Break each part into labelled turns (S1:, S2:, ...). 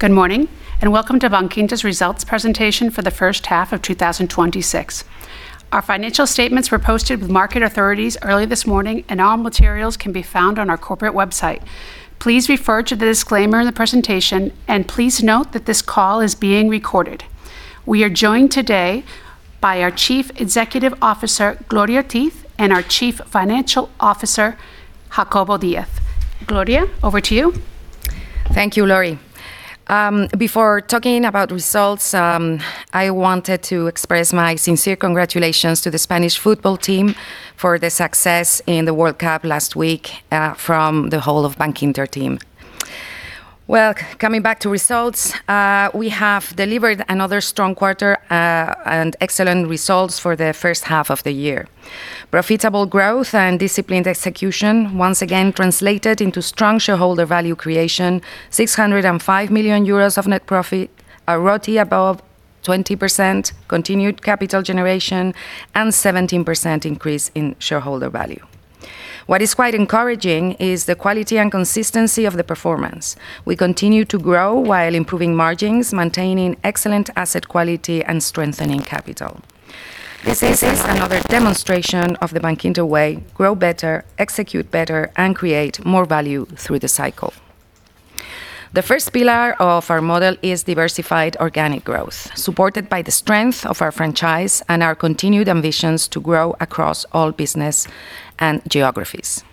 S1: Good morning, welcome to Bankinter's results presentation for the first half of 2026. Our financial statements were posted with market authorities early this morning, all materials can be found on our corporate website. Please refer to the disclaimer in the presentation, please note that this call is being recorded. We are joined today by our Chief Executive Officer, Gloria Ortiz, and our Chief Financial Officer, Jacobo Díaz. Gloria, over to you.
S2: Thank you, Laurie. Before talking about results, I wanted to express my sincere congratulations to the Spanish football team for the success in the World Cup last week from the whole of Bankinter team. Well, coming back to results, we have delivered another strong quarter, excellent results for the first half of the year. Profitable growth and disciplined execution once again translated into strong shareholder value creation, 605 million euros of net profit, a ROTE above 20%, continued capital generation, 17% increase in shareholder value. What is quite encouraging is the quality and consistency of the performance. We continue to grow while improving margins, maintaining excellent asset quality, and strengthening capital. This is another demonstration of the Bankinter way: grow better, execute better, and create more value through the cycle. The first pillar of our model is diversified organic growth, supported by the strength of our franchise, our continued ambitions to grow across all business and geographies.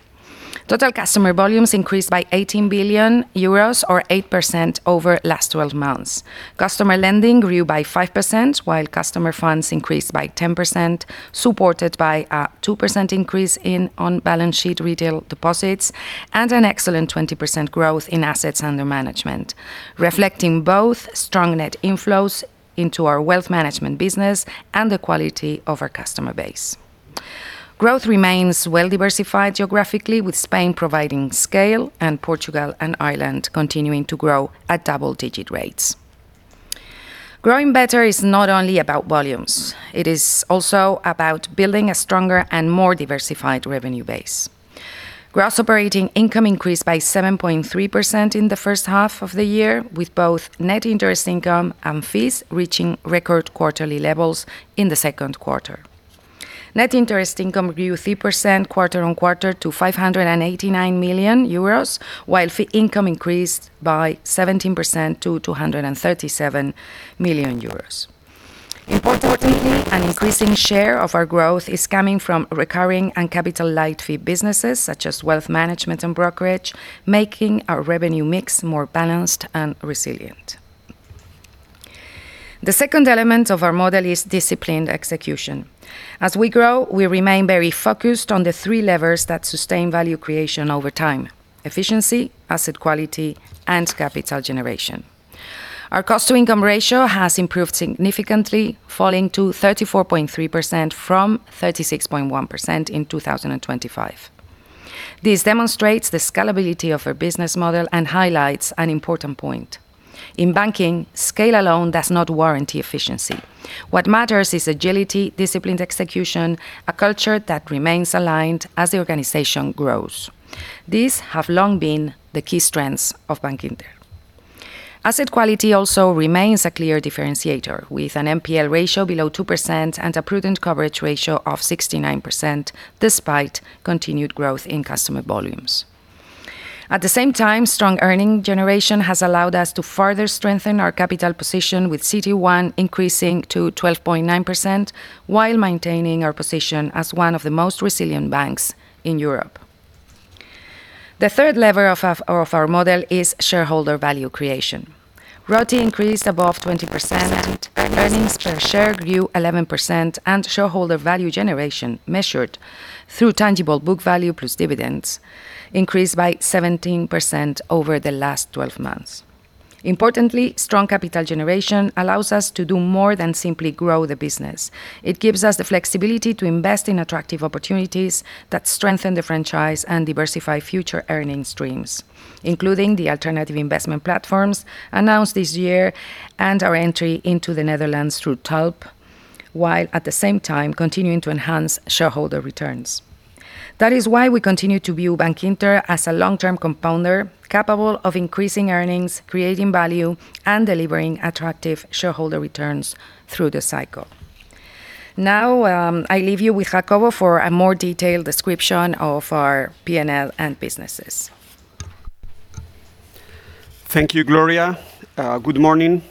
S2: Total customer volumes increased by 18 billion euros or 8% over the last 12 months. Customer lending grew by 5%, while customer funds increased by 10%, supported by a 2% increase in on-balance sheet retail deposits, an excellent 20% growth in assets under management, reflecting both strong net inflows into our wealth management business and the quality of our customer base. Growth remains well-diversified geographically, with Spain providing scale, Portugal and Ireland continuing to grow at double-digit rates. Growing better is not only about volumes. It is also about building a stronger and more diversified revenue base. Gross operating income increased by 7.3% in the first half of the year, with both net interest income and fees reaching record quarterly levels in the second quarter. Net interest income grew 3% quarter-on-quarter to 589 million euros, while fee income increased by 17% to 237 million euros. Importantly, an increasing share of our growth is coming from recurring and capital-light fee businesses such as wealth management and brokerage, making our revenue mix more balanced and resilient. The second element of our model is disciplined execution. As we grow, we remain very focused on the three levers that sustain value creation over time, efficiency, asset quality, and capital generation. Our cost-to-income ratio has improved significantly, falling to 34.3% from 36.1% in 2025. This demonstrates the scalability of our business model and highlights an important point. In banking, scale alone does not warrant efficiency. What matters is agility, disciplined execution, a culture that remains aligned as the organization grows. These have long been the key strengths of Bankinter. Asset quality also remains a clear differentiator, with an NPL ratio below 2% and a prudent coverage ratio of 69%, despite continued growth in customer volumes. At the same time, strong earning generation has allowed us to further strengthen our capital position with CET1 increasing to 12.9% while maintaining our position as one of the most resilient banks in Europe. The third lever of our model is shareholder value creation. ROTE increased above 20%, earnings per share grew 11%, and shareholder value generation measured through tangible book value plus dividends increased by 17% over the last 12 months. Importantly, strong capital generation allows us to do more than simply grow the business. It gives us the flexibility to invest in attractive opportunities that strengthen the franchise and diversify future earning streams, including the alternative investment platforms announced this year and our entry into the Netherlands through Tulp, while at the same time continuing to enhance shareholder returns. That is why we continue to view Bankinter as a long-term compounder capable of increasing earnings, creating value, and delivering attractive shareholder returns through the cycle. Now, I leave you with Jacobo for a more detailed description of our P&L and businesses.
S3: Thank you, Gloria. Good morning.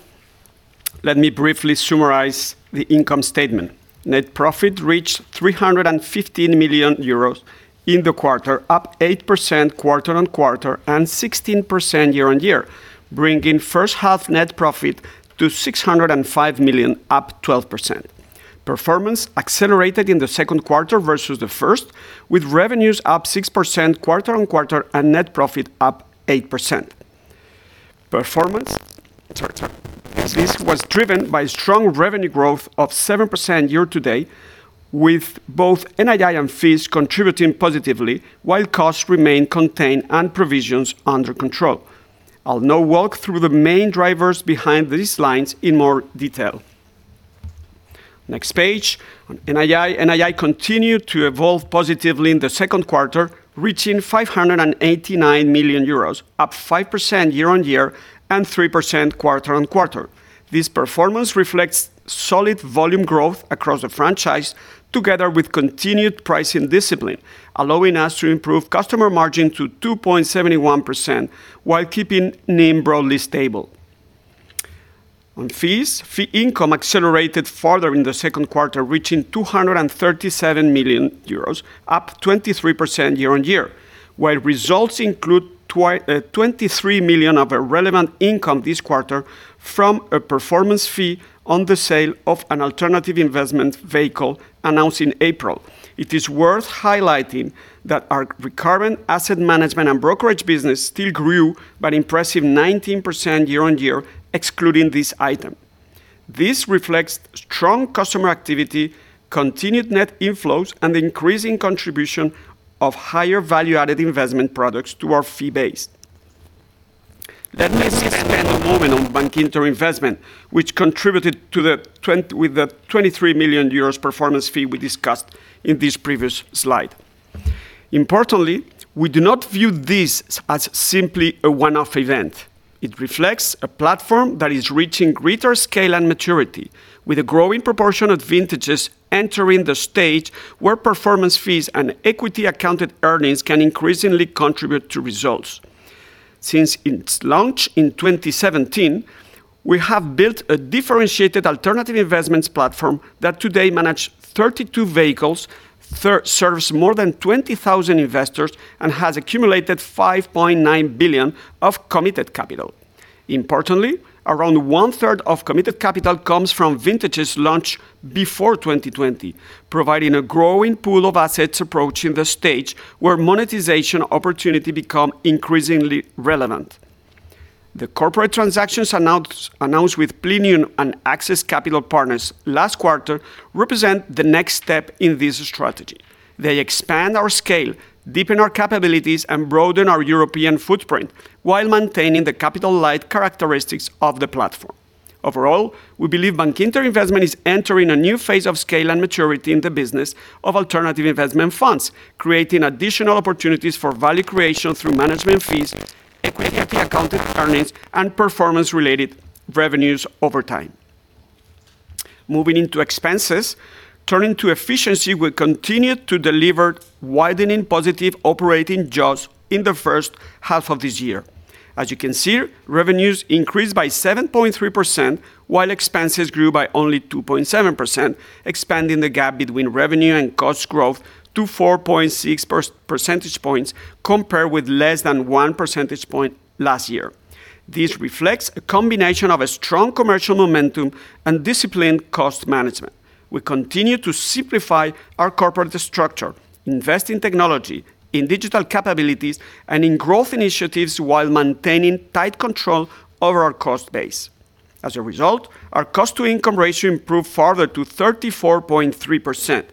S3: Let me briefly summarize the income statement. Net profit reached 315 million euros in the quarter, up 8% quarter-on-quarter and 16% year-on-year, bringing first half net profit to 605 million, up 12%. Performance accelerated in the second quarter versus the first, with revenues up 6% quarter-on-quarter and net profit up 8%. This was driven by strong revenue growth of 7% year to date, with both NII and fees contributing positively while costs remain contained and provisions under control. I'll now walk through the main drivers behind these lines in more detail. Next page. NII continued to evolve positively in the second quarter, reaching 589 million euros, up 5% year-on-year and 3% quarter-on-quarter. This performance reflects solid volume growth across the franchise, together with continued pricing discipline, allowing us to improve customer margin to 2.71% while keeping NIM broadly stable. On fees, fee income accelerated further in the second quarter, reaching 237 million euros, up 23% year-on-year, while results include 23 million of relevant income this quarter from a performance fee on the sale of an alternative investment vehicle announced in April. It is worth highlighting that our recurrent asset management and brokerage business still grew by an impressive 19% year-on-year, excluding this item. This reflects strong customer activity, continued net inflows, and increasing contribution of higher value-added investment products to our fee-based. Let me expand a moment on Bankinter Investment, which contributed with the 23 million euros performance fee we discussed in this previous slide. Importantly, we do not view this as simply a one-off event. It reflects a platform that is reaching greater scale and maturity, with a growing proportion of vintages entering the stage where performance fees and equity accounted earnings can increasingly contribute to results. Since its launch in 2017, we have built a differentiated alternative investments platform that today manages 32 vehicles, serves more than 20,000 investors, and has accumulated 5.9 billion of committed capital. Importantly, around 1/3 of committed capital comes from vintages launched before 2020, providing a growing pool of assets approaching the stage where monetization opportunities become increasingly relevant. The corporate transactions announced with Plenium and Access Capital Partners last quarter represent the next step in this strategy. They expand our scale, deepen our capabilities, and broaden our European footprint while maintaining the capital-light characteristics of the platform. Overall, we believe Bankinter Investment is entering a new phase of scale and maturity in the business of alternative investment funds, creating additional opportunities for value creation through management fees, equity accounted earnings, and performance-related revenues over time. Moving into expenses. Turning to efficiency, we continued to deliver widening positive operating jaws in the first half of this year. As you can see, revenues increased by 7.3%, while expenses grew by only 2.7%, expanding the gap between revenue and cost growth to 4.6 percentage points, compared with less than 1 percentage point last year. This reflects a combination of a strong commercial momentum and disciplined cost management. We continue to simplify our corporate structure, invest in technology, in digital capabilities, and in growth initiatives while maintaining tight control over our cost base. As a result, our cost-to-income ratio improved further to 34.3%,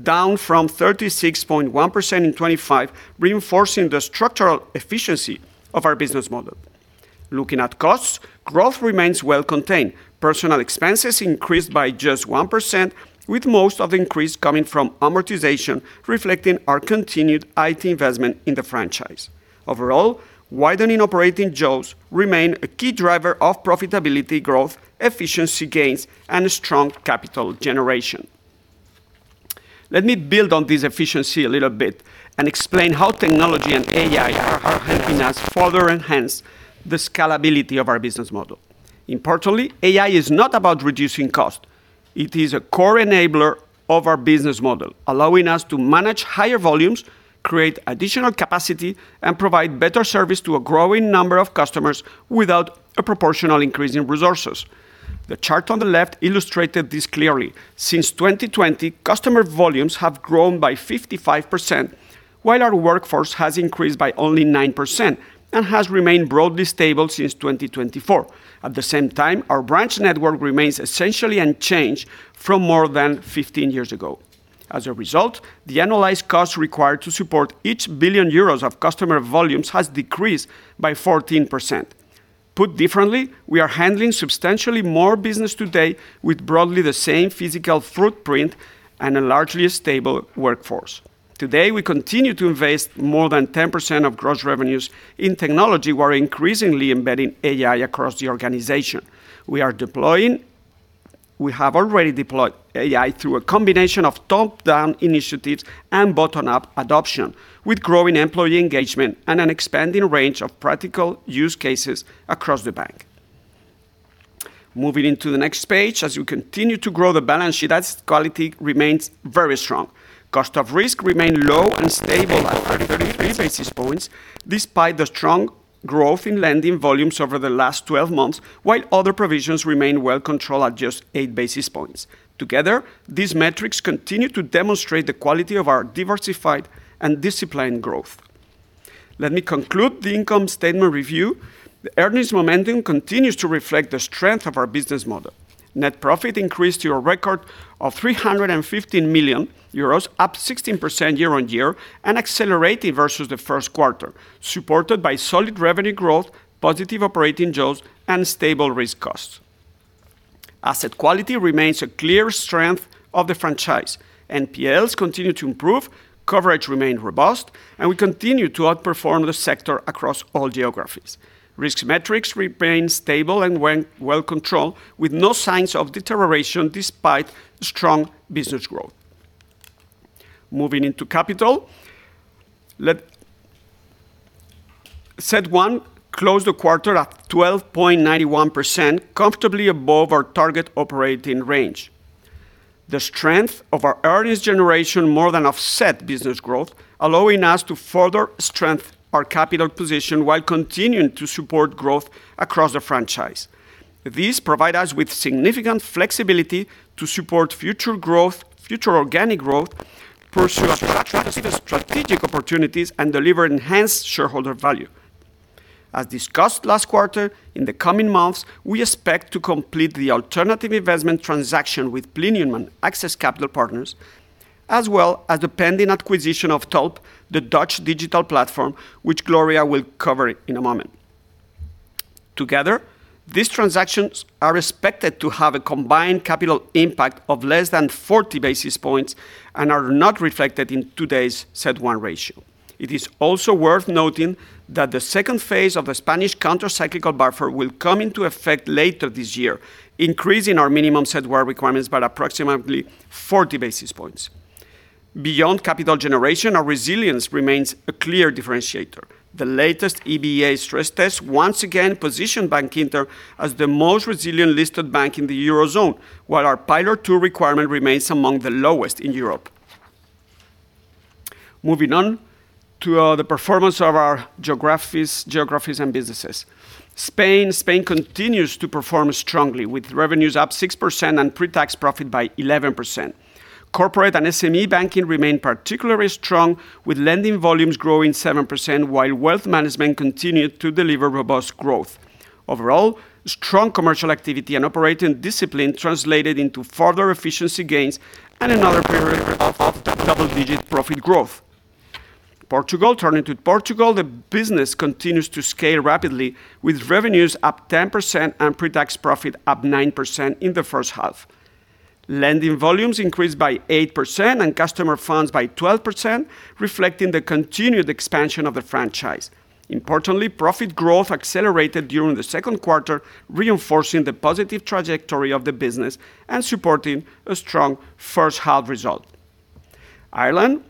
S3: down from 36.1% in 2025, reinforcing the structural efficiency of our business model. Looking at costs, growth remains well contained. Personnel expenses increased by just 1%, with most of the increase coming from amortization, reflecting our continued IT investment in the franchise. Overall, widening operating jaws remain a key driver of profitability growth, efficiency gains, and strong capital generation. Let me build on this efficiency a little bit and explain how technology and AI are helping us further enhance the scalability of our business model. Importantly, AI is not about reducing cost. It is a core enabler of our business model, allowing us to manage higher volumes, create additional capacity, and provide better service to a growing number of customers without a proportional increase in resources. The chart on the left illustrated this clearly. Since 2020, customer volumes have grown by 55%, while our workforce has increased by only 9% and has remained broadly stable since 2024. At the same time, our branch network remains essentially unchanged from more than 15 years ago. As a result, the annualized cost required to support each 1 billion euros of customer volumes has decreased by 14%. Put differently, we are handling substantially more business today with broadly the same physical footprint and a largely stable workforce. Today, we continue to invest more than 10% of gross revenues in technology, while increasingly embedding AI across the organization. We have already deployed AI through a combination of top-down initiatives and bottom-up adoption, with growing employee engagement and an expanding range of practical use cases across the bank. Moving into the next page. As we continue to grow the balance sheet, asset quality remains very strong. Cost of risk remained low and stable at 33 basis points despite the strong growth in lending volumes over the last 12 months, while other provisions remain well controlled at just 8 basis points. Together, these metrics continue to demonstrate the quality of our diversified and disciplined growth. Let me conclude the income statement review. The earnings momentum continues to reflect the strength of our business model. Net profit increased to a record of 315 million euros, up 16% year-on-year and accelerating versus the first quarter, supported by solid revenue growth, positive operating jaws, and stable risk costs. Asset quality remains a clear strength of the franchise. NPLs continue to improve, coverage remains robust, and we continue to outperform the sector across all geographies. Risk metrics remain stable and well-controlled, with no signs of deterioration despite strong business growth. Moving into capital. CET1 closed the quarter at 12.91%, comfortably above our target operating range. The strength of our earnings generation more than offset business growth, allowing us to further strengthen our capital position while continuing to support growth across the franchise. This provides us with significant flexibility to support future organic growth, pursue attractive strategic opportunities, and deliver enhanced shareholder value. As discussed last quarter, in the coming months, we expect to complete the alternative investment transaction with Plenium and Access Capital Partners, as well as the pending acquisition of Tulp, the Dutch digital platform, which Gloria will cover in a moment. Together, these transactions are expected to have a combined capital impact of less than 40 basis points and are not reflected in today's CET1 ratio. It is also worth noting that the second phase of the Spanish counter-cyclical buffer will come into effect later this year, increasing our minimum CET1 requirements by approximately 40 basis points. Beyond capital generation, our resilience remains a clear differentiator. The latest EBA stress test once again positioned Bankinter as the most resilient listed bank in the Eurozone, while our Pillar 2 requirement remains among the lowest in Europe. Moving on to the performance of our geographies and businesses. Spain continues to perform strongly, with revenues up 6% and pre-tax profit by 11%. Corporate and SME banking remain particularly strong, with lending volumes growing 7%, while wealth management continued to deliver robust growth. Overall, strong commercial activity and operating discipline translated into further efficiency gains and another period of double-digit profit growth. Portugal. Turning to Portugal, the business continues to scale rapidly, with revenues up 10% and pre-tax profit up 9% in the first half. Lending volumes increased by 8% and customer funds by 12%, reflecting the continued expansion of the franchise. Importantly, profit growth accelerated during the second quarter, reinforcing the positive trajectory of the business and supporting a strong first-half result. Ireland.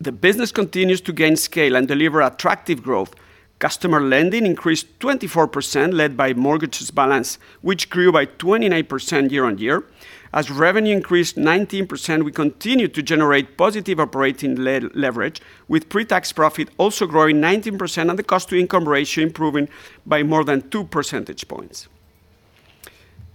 S3: The business continues to gain scale and deliver attractive growth. Customer lending increased 24%, led by mortgages balance, which grew by 29% year-on-year. As revenue increased 19%, we continued to generate positive operating leverage, with pre-tax profit also growing 19% and the cost-to-income ratio improving by more than 2 percentage points.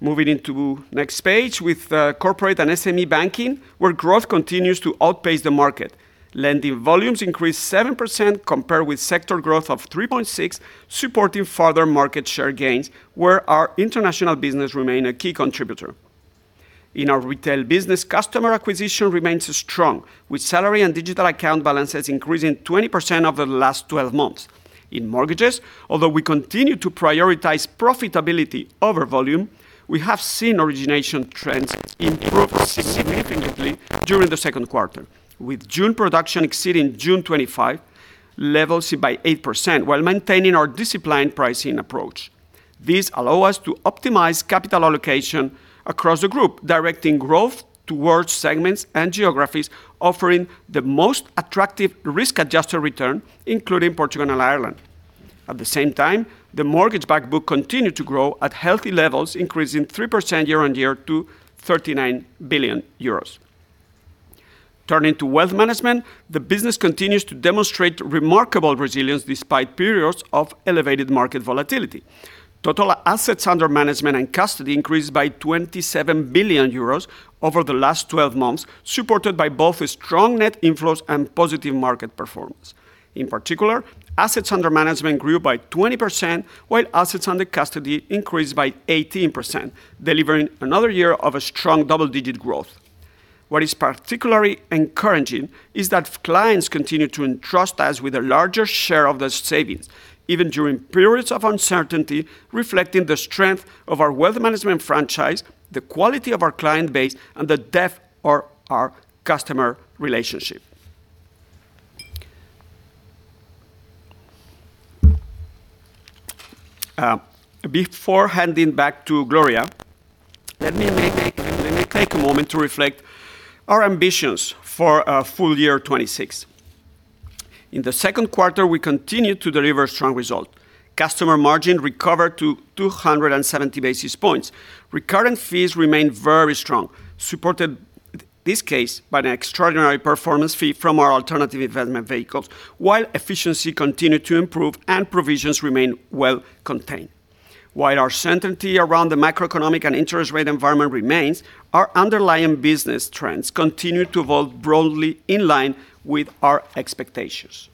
S3: Moving into next page with corporate and SME banking, where growth continues to outpace the market. Lending volumes increased 7%, compared with sector growth of 3.6%, supporting further market share gains, where our international business remains a key contributor. In our retail business, customer acquisition remains strong, with salary and digital account balances increasing 20% over the last 12 months. In mortgages, although we continue to prioritize profitability over volume, we have seen origination trends improve significantly during the second quarter, with June production exceeding June 2025 levels by 8%, while maintaining our disciplined pricing approach. This allows us to optimize capital allocation across the group, directing growth towards segments and geographies offering the most attractive risk-adjusted return, including Portugal and Ireland. At the same time, the mortgage-backed book continued to grow at healthy levels, increasing 3% year-on-year to 39 billion euros. Turning to wealth management, the business continues to demonstrate remarkable resilience despite periods of elevated market volatility. Total assets under management and custody increased by 27 billion euros over the last 12 months, supported by both strong net inflows and positive market performance. In particular, assets under management grew by 20%, while assets under custody increased by 18%, delivering another year of a strong double-digit growth. What is particularly encouraging is that clients continue to entrust us with a larger share of their savings, even during periods of uncertainty, reflecting the strength of our wealth management franchise, the quality of our client base, and the depth of our customer relationship. Before handing back to Gloria, let me take a moment to reflect on our ambitions for full year 2026. In the second quarter, we continued to deliver strong results. Customer margin recovered to 270 basis points. Recurrent fees remained very strong, supported this case by an extraordinary performance fee from our alternative investment vehicles, while efficiency continued to improve and provisions remain well contained. Our certainty around the macroeconomic and interest rate environment remains, our underlying business trends continue to evolve broadly in line with our expectations.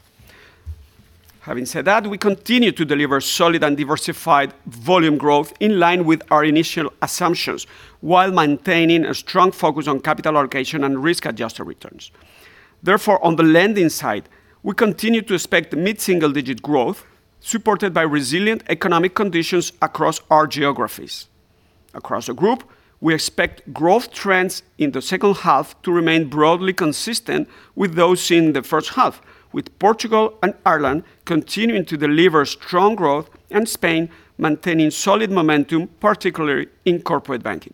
S3: Having said that, we continue to deliver solid and diversified volume growth in line with our initial assumptions, while maintaining a strong focus on capital allocation and risk-adjusted returns. On the lending side, we continue to expect mid-single-digit growth supported by resilient economic conditions across our geographies. Across the group, we expect growth trends in the second half to remain broadly consistent with those seen in the first half, with Portugal and Ireland continuing to deliver strong growth and Spain maintaining solid momentum, particularly in corporate banking.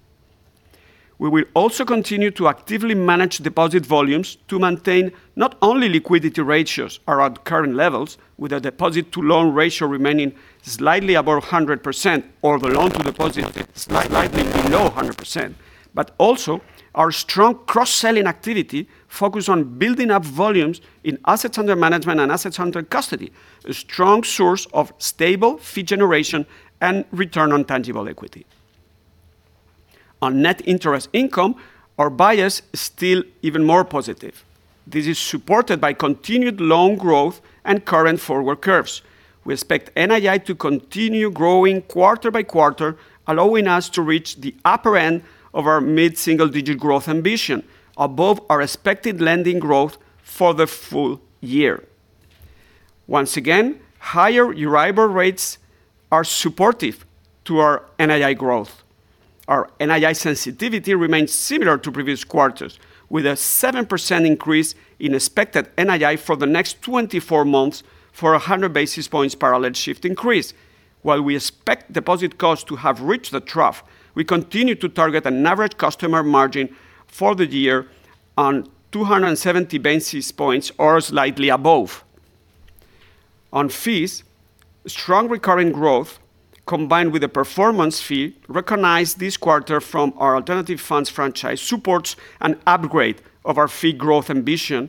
S3: We will also continue to actively manage deposit volumes to maintain not only liquidity ratios are at current levels, with a deposit-to-loan ratio remaining slightly above 100%, or the loan-to-deposit slightly below 100%, but also our strong cross-selling activity focused on building up volumes in assets under management and assets under custody, a strong source of stable fee generation and return on tangible equity. On net interest income, our bias is still even more positive. This is supported by continued loan growth and current forward curves. We expect NII to continue growing quarter-by-quarter, allowing us to reach the upper end of our mid-single-digit growth ambition, above our expected lending growth for the full year. Once again, higher Euribor rates are supportive to our NII growth. Our NII sensitivity remains similar to previous quarters, with a 7% increase in expected NII for the next 24 months for a 100 basis points parallel shift increase. While we expect deposit costs to have reached the trough, we continue to target an average customer margin for the year on 270 basis points or slightly above. On fees, strong recurring growth combined with a performance fee recognized this quarter from our alternative funds franchise supports an upgrade of our fee growth ambition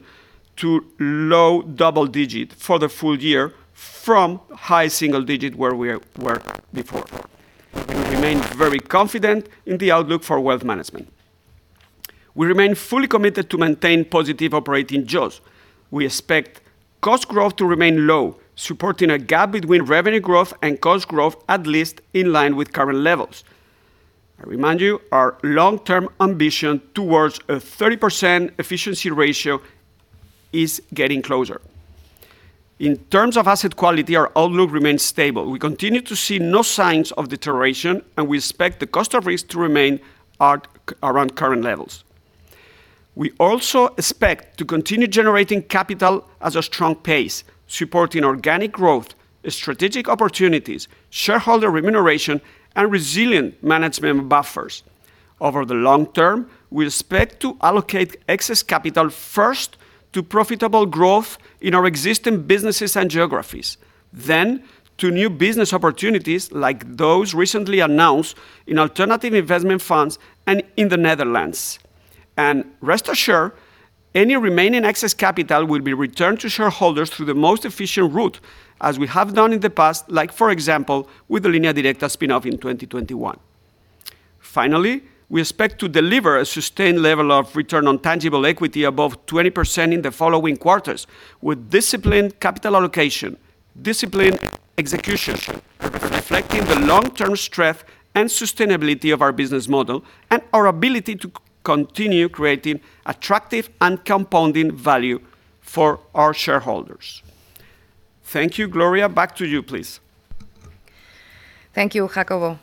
S3: to low double digit for the full year from high single digit where we were before. We remain very confident in the outlook for wealth management. We remain fully committed to maintain positive operating jaws. We expect cost growth to remain low, supporting a gap between revenue growth and cost growth at least in line with current levels. I remind you, our long-term ambition towards a 30% efficiency ratio is getting closer. In terms of asset quality, our outlook remains stable. We continue to see no signs of deterioration, and we expect the cost of risk to remain around current levels. We also expect to continue generating capital at a strong pace, supporting organic growth, strategic opportunities, shareholder remuneration, and resilient management buffers. Over the long term, we expect to allocate excess capital first to profitable growth in our existing businesses and geographies, then to new business opportunities like those recently announced in alternative investment funds and in the Netherlands. Rest assured, any remaining excess capital will be returned to shareholders through the most efficient route, as we have done in the past, like for example, with the Línea Directa spin-off in 2021. Finally, we expect to deliver a sustained level of return on tangible equity above 20% in the following quarters, with disciplined capital allocation, disciplined execution, reflecting the long-term strength and sustainability of our business model and our ability to continue creating attractive and compounding value for our shareholders. Thank you. Gloria, back to you, please.
S2: Thank you, Jacobo.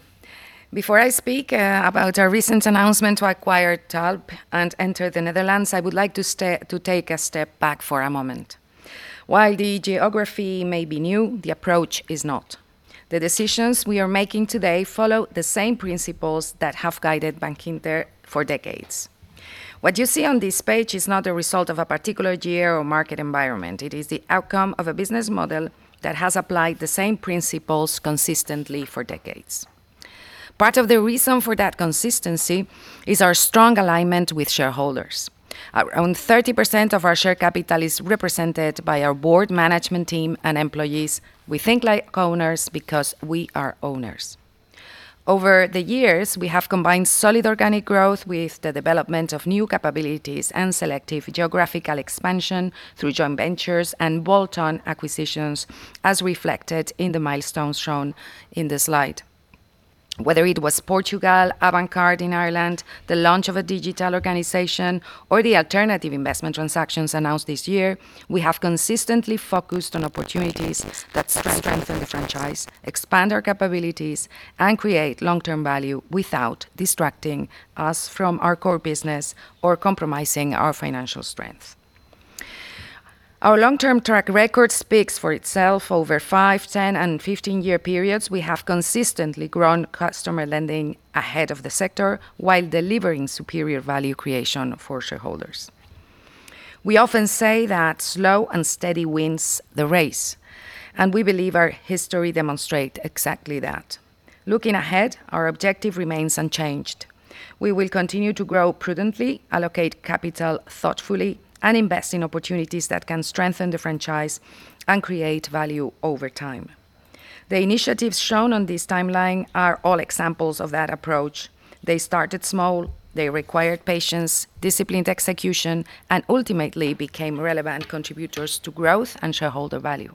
S2: Before I speak about our recent announcement to acquire Tulp and enter the Netherlands, I would like to take a step back for a moment. While the geography may be new, the approach is not. The decisions we are making today follow the same principles that have guided Bankinter for decades. What you see on this page is not a result of a particular year or market environment. It is the outcome of a business model that has applied the same principles consistently for decades. Part of the reason for that consistency is our strong alignment with shareholders. Around 30% of our share capital is represented by our board management team and employees. We think like owners because we are owners. Over the years, we have combined solid organic growth with the development of new capabilities and selective geographical expansion through joint ventures and bolt-on acquisitions, as reflected in the milestones shown in the slide. Whether it was Portugal, Avantcard in Ireland, the launch of a digital organization, or the alternative investment transactions announced this year, we have consistently focused on opportunities that strengthen the franchise, expand our capabilities, and create long-term value without distracting us from our core business or compromising our financial strength. Our long-term track record speaks for itself. Over five, 10, and 15-year periods, we have consistently grown customer lending ahead of the sector while delivering superior value creation for shareholders. We often say that slow and steady wins the race. We believe our history demonstrate exactly that. Looking ahead, our objective remains unchanged. We will continue to grow prudently, allocate capital thoughtfully, and invest in opportunities that can strengthen the franchise and create value over time. The initiatives shown on this timeline are all examples of that approach. They started small, they required patience, disciplined execution, and ultimately became relevant contributors to growth and shareholder value.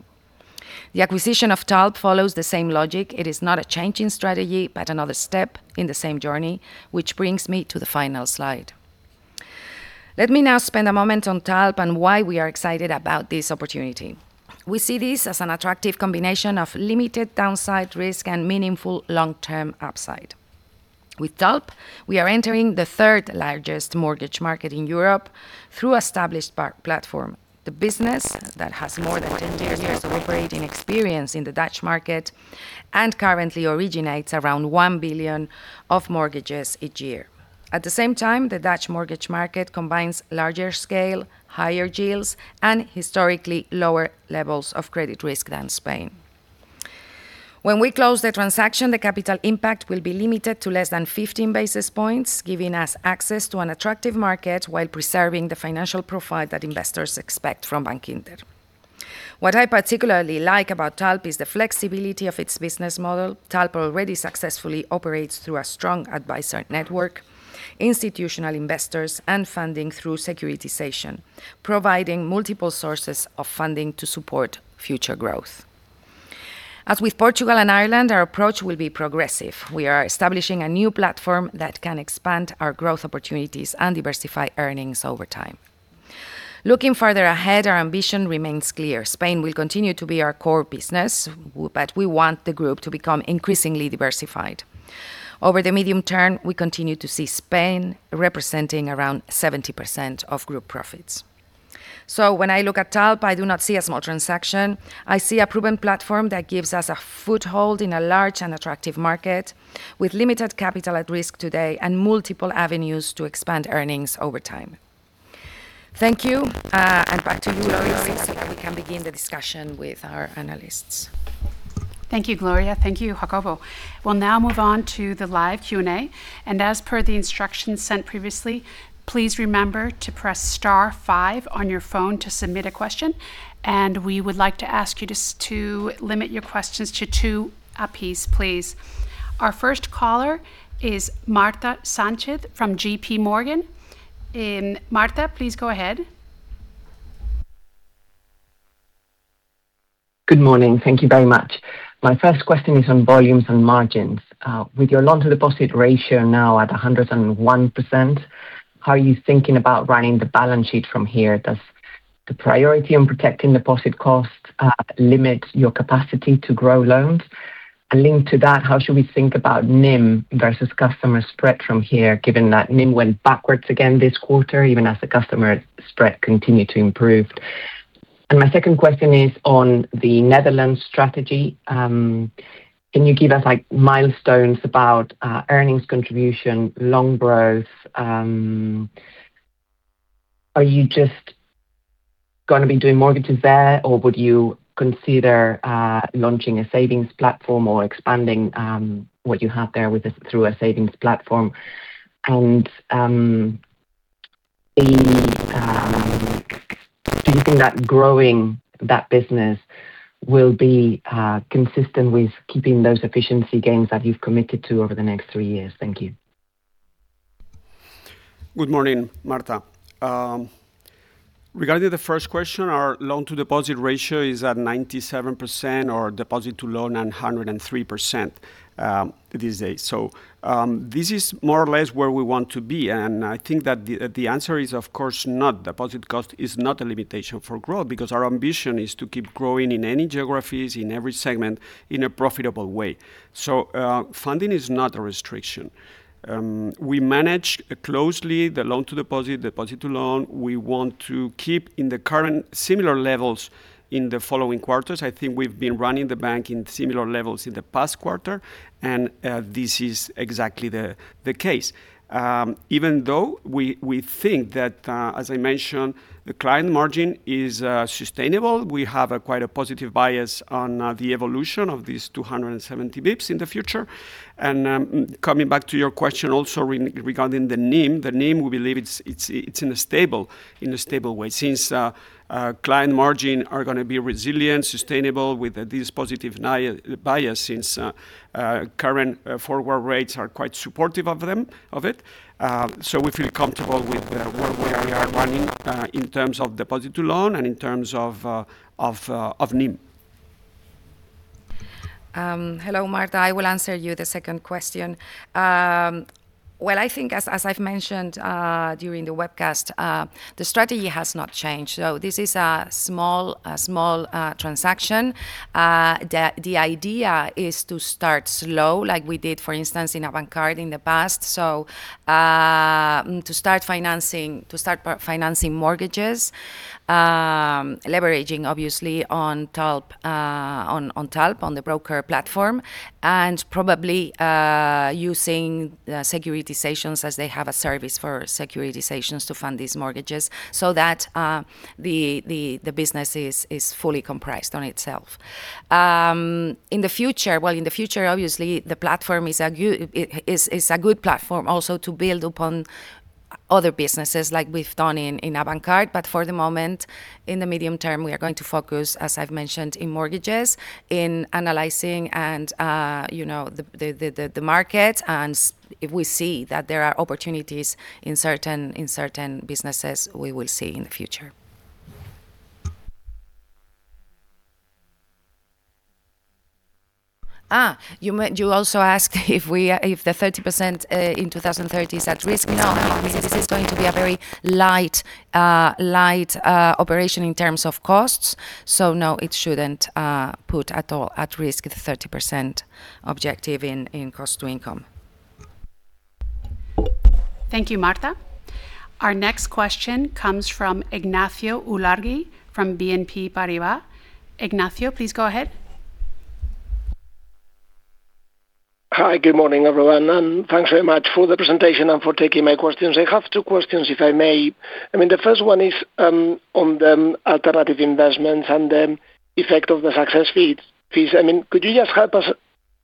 S2: The acquisition of Tulp follows the same logic. It is not a change in strategy, but another step in the same journey, which brings me to the final slide. Let me now spend a moment on Tulp and why we are excited about this opportunity. We see this as an attractive combination of limited downside risk and meaningful long-term upside. With Tulp, we are entering the third-largest mortgage market in Europe through established platform. The business that has more than 20 years of operating experience in the Dutch market and currently originates around 1 billion of mortgages each year. At the same time, the Dutch mortgage market combines larger scale, higher yields, and historically lower levels of credit risk than Spain. When we close the transaction, the capital impact will be limited to less than 15 basis points, giving us access to an attractive market while preserving the financial profile that investors expect from Bankinter. What I particularly like about Tulp is the flexibility of its business model. Tulp already successfully operates through a strong advisory network, institutional investors, and funding through securitization, providing multiple sources of funding to support future growth. As with Portugal and Ireland, our approach will be progressive. We are establishing a new platform that can expand our growth opportunities and diversify earnings over time. Looking farther ahead, our ambition remains clear. Spain will continue to be our core business, we want the group to become increasingly diversified. Over the medium term, we continue to see Spain representing around 70% of group profits. When I look at Tulp, I do not see a small transaction. I see a proven platform that gives us a foothold in a large and attractive market with limited capital at risk today and multiple avenues to expand earnings over time. Thank you, and back to you, Laurie, so that we can begin the discussion with our analysts.
S1: Thank you, Gloria. Thank you, Jacobo. We'll now move on to the live Q&A. As per the instructions sent previously, please remember to press star five on your phone to submit a question, and we would like to ask you just to limit your questions to two a piece, please. Our first caller is Marta Sánchez from JPMorgan. Marta, please go ahead.
S4: Good morning. Thank you very much. My first question is on volumes and margins. With your loan-to-deposit ratio now at 101%, how are you thinking about running the balance sheet from here? Does the priority on protecting deposit costs limit your capacity to grow loans? Linked to that, how should we think about NIM versus customer spread from here, given that NIM went backwards again this quarter, even as the customer spread continued to improve? My second question is on the Netherlands strategy. Can you give us milestones about earnings contribution, loan growth? Are you just going to be doing mortgages there, or would you consider launching a savings platform or expanding what you have there through a savings platform? Do you think that growing that business will be consistent with keeping those efficiency gains that you've committed to over the next three years? Thank you.
S3: Good morning, Marta. Regarding the first question, our loan-to-deposit ratio is at 97% or deposit-to-loan at 103% these days. This is more or less where we want to be, I think that the answer is of course not. Deposit cost is not a limitation for growth because our ambition is to keep growing in any geographies, in every segment, in a profitable way. Funding is not a restriction. We manage closely the loan-to-deposit, deposit-to-loan. We want to keep in the current similar levels in the following quarters. I think we've been running the bank in similar levels in the past quarter, this is exactly the case. Even though we think that, as I mentioned, the client margin is sustainable, we have quite a positive bias on the evolution of these 270 basis points in the future. Coming back to your question also regarding the NIM, the NIM, we believe it's in a stable way since client margin are going to be resilient, sustainable with this positive bias, since current forward rates are quite supportive of it. We feel comfortable with where we are running, in terms of deposit-to-loan and in terms of NIM.
S2: Hello, Marta. I will answer you the second question. I think as I've mentioned, during the webcast, the strategy has not changed. This is a small transaction, that the idea is to start slow, like we did, for instance, in Avantcard in the past. To start financing mortgages, leveraging obviously on Tulp, on the broker platform, and probably using securitizations as they have a service for securitizations to fund these mortgages so that the business is fully compressed on itself. In the future, obviously the platform is a good platform also to build upon other businesses like we've done in Avantcard. For the moment, in the medium term, we are going to focus, as I've mentioned, in mortgages, in analyzing and the market. If we see that there are opportunities in certain businesses, we will see in the future. You also asked if the 30% in 2030 is at risk. No, this is going to be a very light operation in terms of costs. No, it shouldn't put at all at risk the 30% objective in cost to income.
S1: Thank you, Marta. Our next question comes from Ignacio Ulargui from BNP Paribas. Ignacio, please go ahead.
S5: Hi. Good morning, everyone, thanks very much for the presentation and for taking my questions. I have two questions, if I may. The first one is on the alternative investments and the effect of the success fees. Could you just help us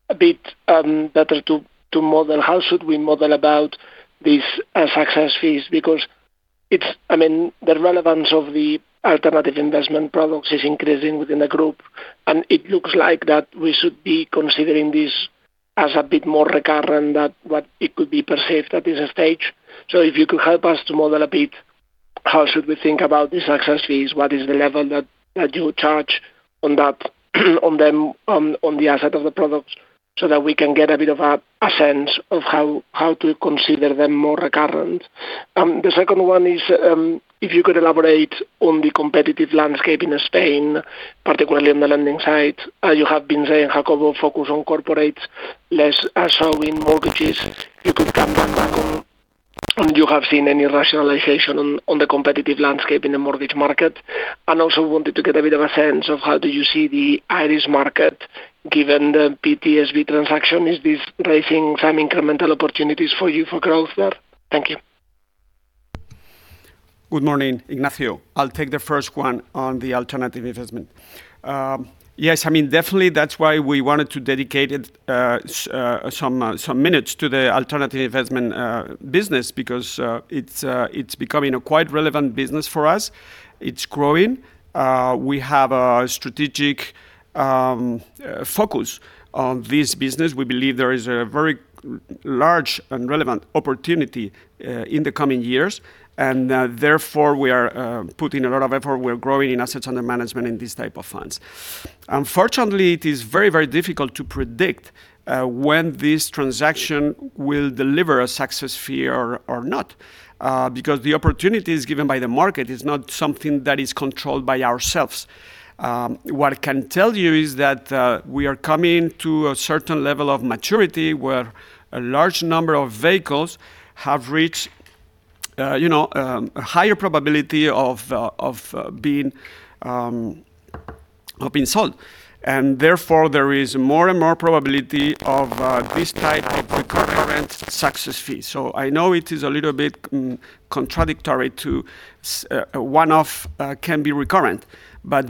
S5: a bit better to model how should we model about these success fees? Because the relevance of the alternative investment products is increasing within the group, and it looks like that we should be considering this as a bit more recurrent than what it could be perceived at this stage. If you could help us to model a bit, how should we think about these success fees? What is the level that you charge on the asset of the products so that we can get a bit of a sense of how to consider them more recurrent? The second one is, if you could elaborate on the competitive landscape in Spain, particularly on the lending side. You have been saying, Jacobo, focus on corporates less so in mortgages. You could come back on, you have seen any rationalization on the competitive landscape in the mortgage market. Also wanted to get a bit of a sense of how do you see the Irish market given the PTSB transaction. Is this raising some incremental opportunities for you for growth there? Thank you.
S3: Good morning, Ignacio. I'll take the first one on the alternative investment. Yes, definitely. That's why we wanted to dedicate some minutes to the alternative investment business, because it's becoming a quite relevant business for us. It's growing. We have a strategic focus on this business. We believe there is a very large and relevant opportunity in the coming years. Therefore, we are putting a lot of effort. We're growing in assets under management in these type of funds. Unfortunately, it is very, very difficult to predict when this transaction will deliver a success fee or not, because the opportunities given by the market is not something that is controlled by ourselves. What I can tell you is that we are coming to a certain level of maturity where a large number of vehicles have reached a higher probability of being sold. Therefore, there is more and more probability of this type of recurrent success fee. I know it is a little bit contradictory to one-off can be recurrent,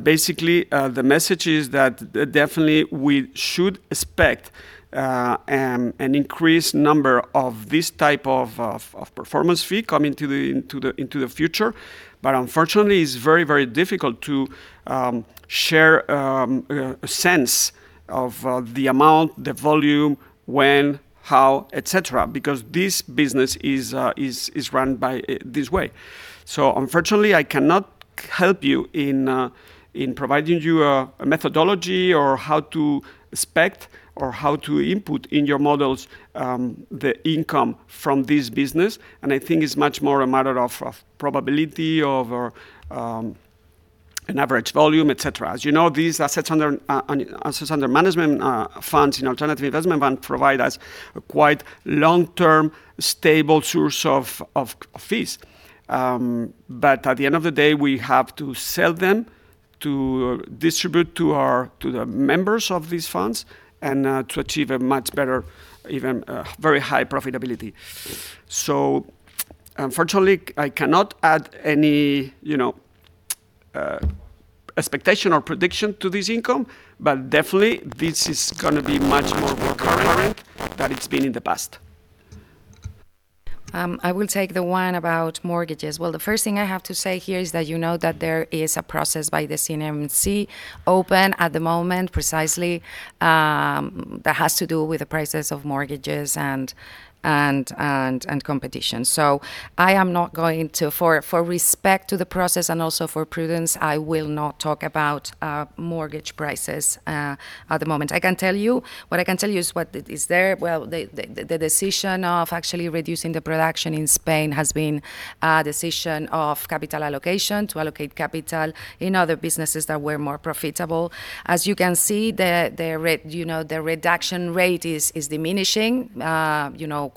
S3: basically, the message is that definitely we should expect an increased number of this type of performance fee coming into the future. Unfortunately, it's very, very difficult to share a sense of the amount, the volume, when, how, et cetera, because this business is run by this way. Unfortunately, I cannot help you in providing you a methodology or how to expect or how to input in your models the income from this business. I think it's much more a matter of probability, of an average volume, et cetera. As you know, these assets under management funds in alternative investment fund provide us a quite long-term, stable source of fees. At the end of the day, we have to sell them to distribute to the members of these funds and to achieve a much better, even very high profitability. Unfortunately, I cannot add any expectation or prediction to this income. Definitely, this is going to be much more recurrent than it's been in the past.
S2: I will take the one about mortgages. The first thing I have to say here is that you know that there is a process by the CNMC open at the moment, precisely, that has to do with the prices of mortgages and competition. I am not going to, for respect to the process and also for prudence, I will not talk about mortgage prices at the moment. What I can tell you is what is there. The decision of actually reducing the production in Spain has been a decision of capital allocation to allocate capital in other businesses that were more profitable. As you can see, the reduction rate is diminishing.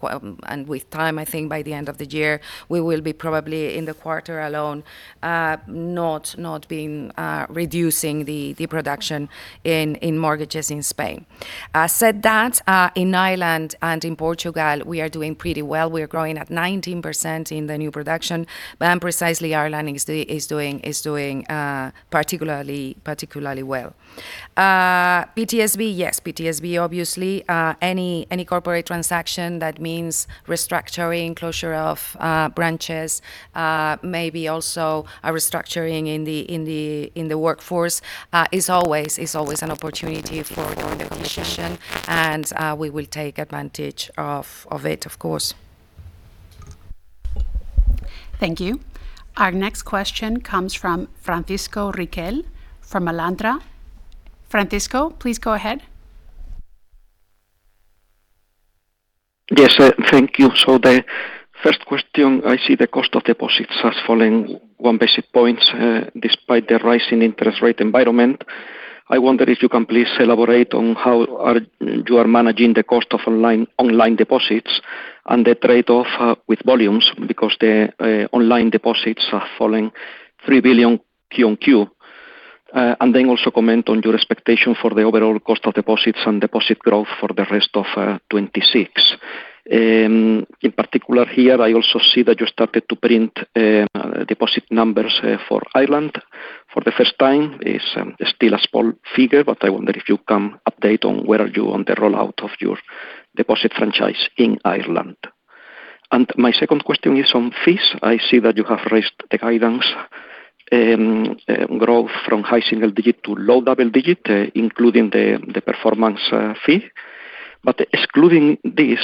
S2: With time, I think by the end of the year, we will be probably in the quarter alone, not being reducing the production in mortgages in Spain. Said that, in Ireland and in Portugal, we are doing pretty well. We are growing at 19% in the new production. Precisely, Ireland is doing particularly well. PTSB, yes. PTSB, obviously, any corporate transaction that means restructuring, closure of branches, maybe also a restructuring in the workforce is always an opportunity for doing acquisition, and we will take advantage of it, of course.
S1: Thank you. Our next question comes from Francisco Riquel from Alantra. Francisco, please go ahead.
S6: Yes. Thank you. The first question, I see the cost of deposits has fallen one basis point despite the rise in interest rate environment. I wonder if you can please elaborate on how you are managing the cost of online deposits and the trade-off with volumes, because the online deposits are falling 3 billion QoQ. Then also comment on your expectation for the overall cost of deposits and deposit growth for the rest of 2026. In particular here, I also see that you started to print deposit numbers for Ireland for the first time. It's still a small figure, but I wonder if you can update on where are you on the rollout of your deposit franchise in Ireland. My second question is on fees. I see that you have raised the guidance growth from high single-digit to low double-digit, including the performance fee. Excluding this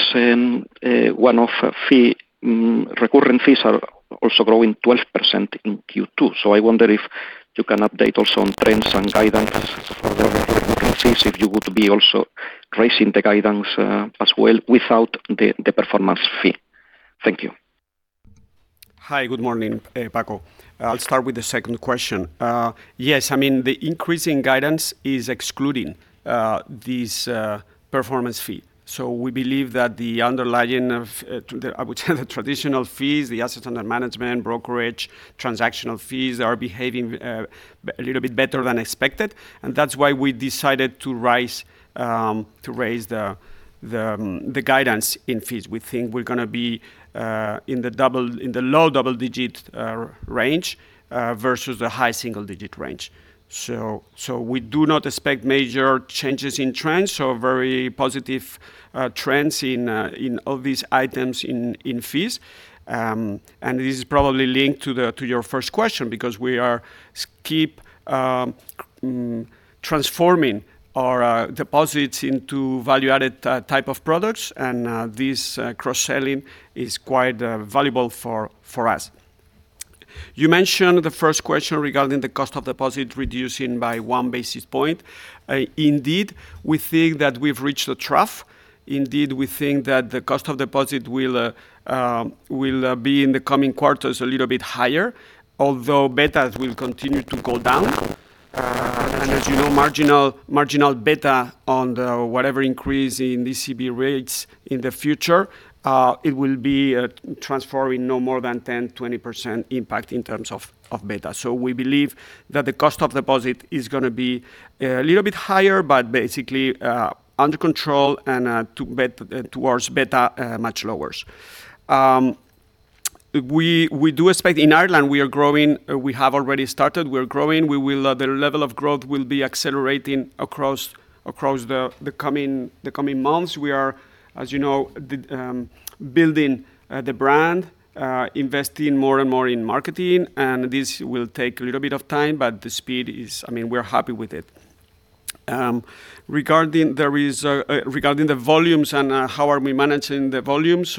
S6: one-off fee, recurring fees are also growing 12% in Q2. I wonder if you can update also on trends and guidance for the recurring fees, if you would be also raising the guidance, as well, without the performance fee. Thank you.
S3: Hi. Good morning, Paco. I'll start with the second question. Yes, the increase in guidance is excluding this performance fee. We believe that the underlying of, I would say the traditional fees, the assets under management, brokerage, transactional fees, are behaving a little bit better than expected, and that's why we decided to raise the guidance in fees. We think we're going to be in the low double-digit range versus the high single-digit range. We do not expect major changes in trends, very positive trends of these items in fees. This is probably linked to your first question, because we keep transforming our deposits into value-added type of products, and this cross-selling is quite valuable for us. You mentioned the first question regarding the cost of deposit reducing by 1 basis point. Indeed, we think that we've reached the trough. Indeed, we think that the cost of deposit will be in the coming quarters a little bit higher, although betas will continue to go down. As you know, marginal beta on the whatever increase in ECB rates in the future, it will be transforming no more than 10%, 20% impact in terms of beta. We believe that the cost of deposit is going to be a little bit higher, but basically under control and towards beta much lower. We do expect in Ireland, we have already started, we're growing. The level of growth will be accelerating across the coming months. We are, as you know, building the brand, investing more and more in marketing, and this will take a little bit of time, but the speed is, we're happy with it. Regarding the volumes and how are we managing the volumes,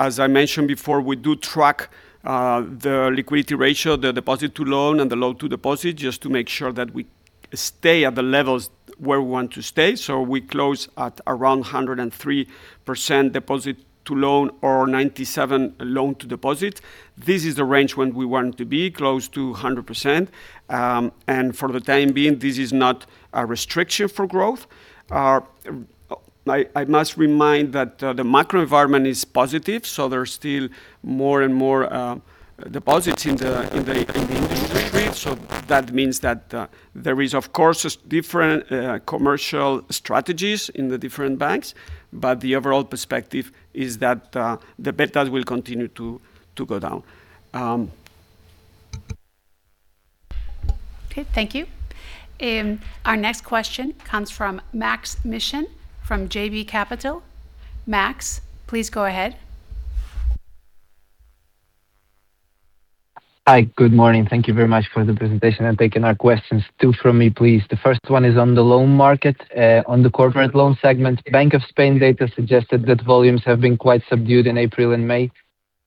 S3: as I mentioned before, we do track the liquidity ratio, the deposit-to-loan, and the loan-to-deposit, just to make sure that we stay at the levels where we want to stay. We close at around 103% deposit-to-loan or 97% loan-to-deposit. This is the range when we want to be close to 100%, and for the time being, this is not a restriction for growth. I must remind that the macro environment is positive, there are still more and more deposits in the industry. That means that there is, of course, different commercial strategies in the different banks, but the overall perspective is that the betas will continue to go down.
S1: Okay. Thank you. Our next question comes from Maksym Mishyn from JB Capital. Max, please go ahead.
S7: Hi. Good morning. Thank you very much for the presentation and taking our questions. Two from me, please. The first one is on the loan market, on the corporate loan segment. Bank of Spain data suggested that volumes have been quite subdued in April and May.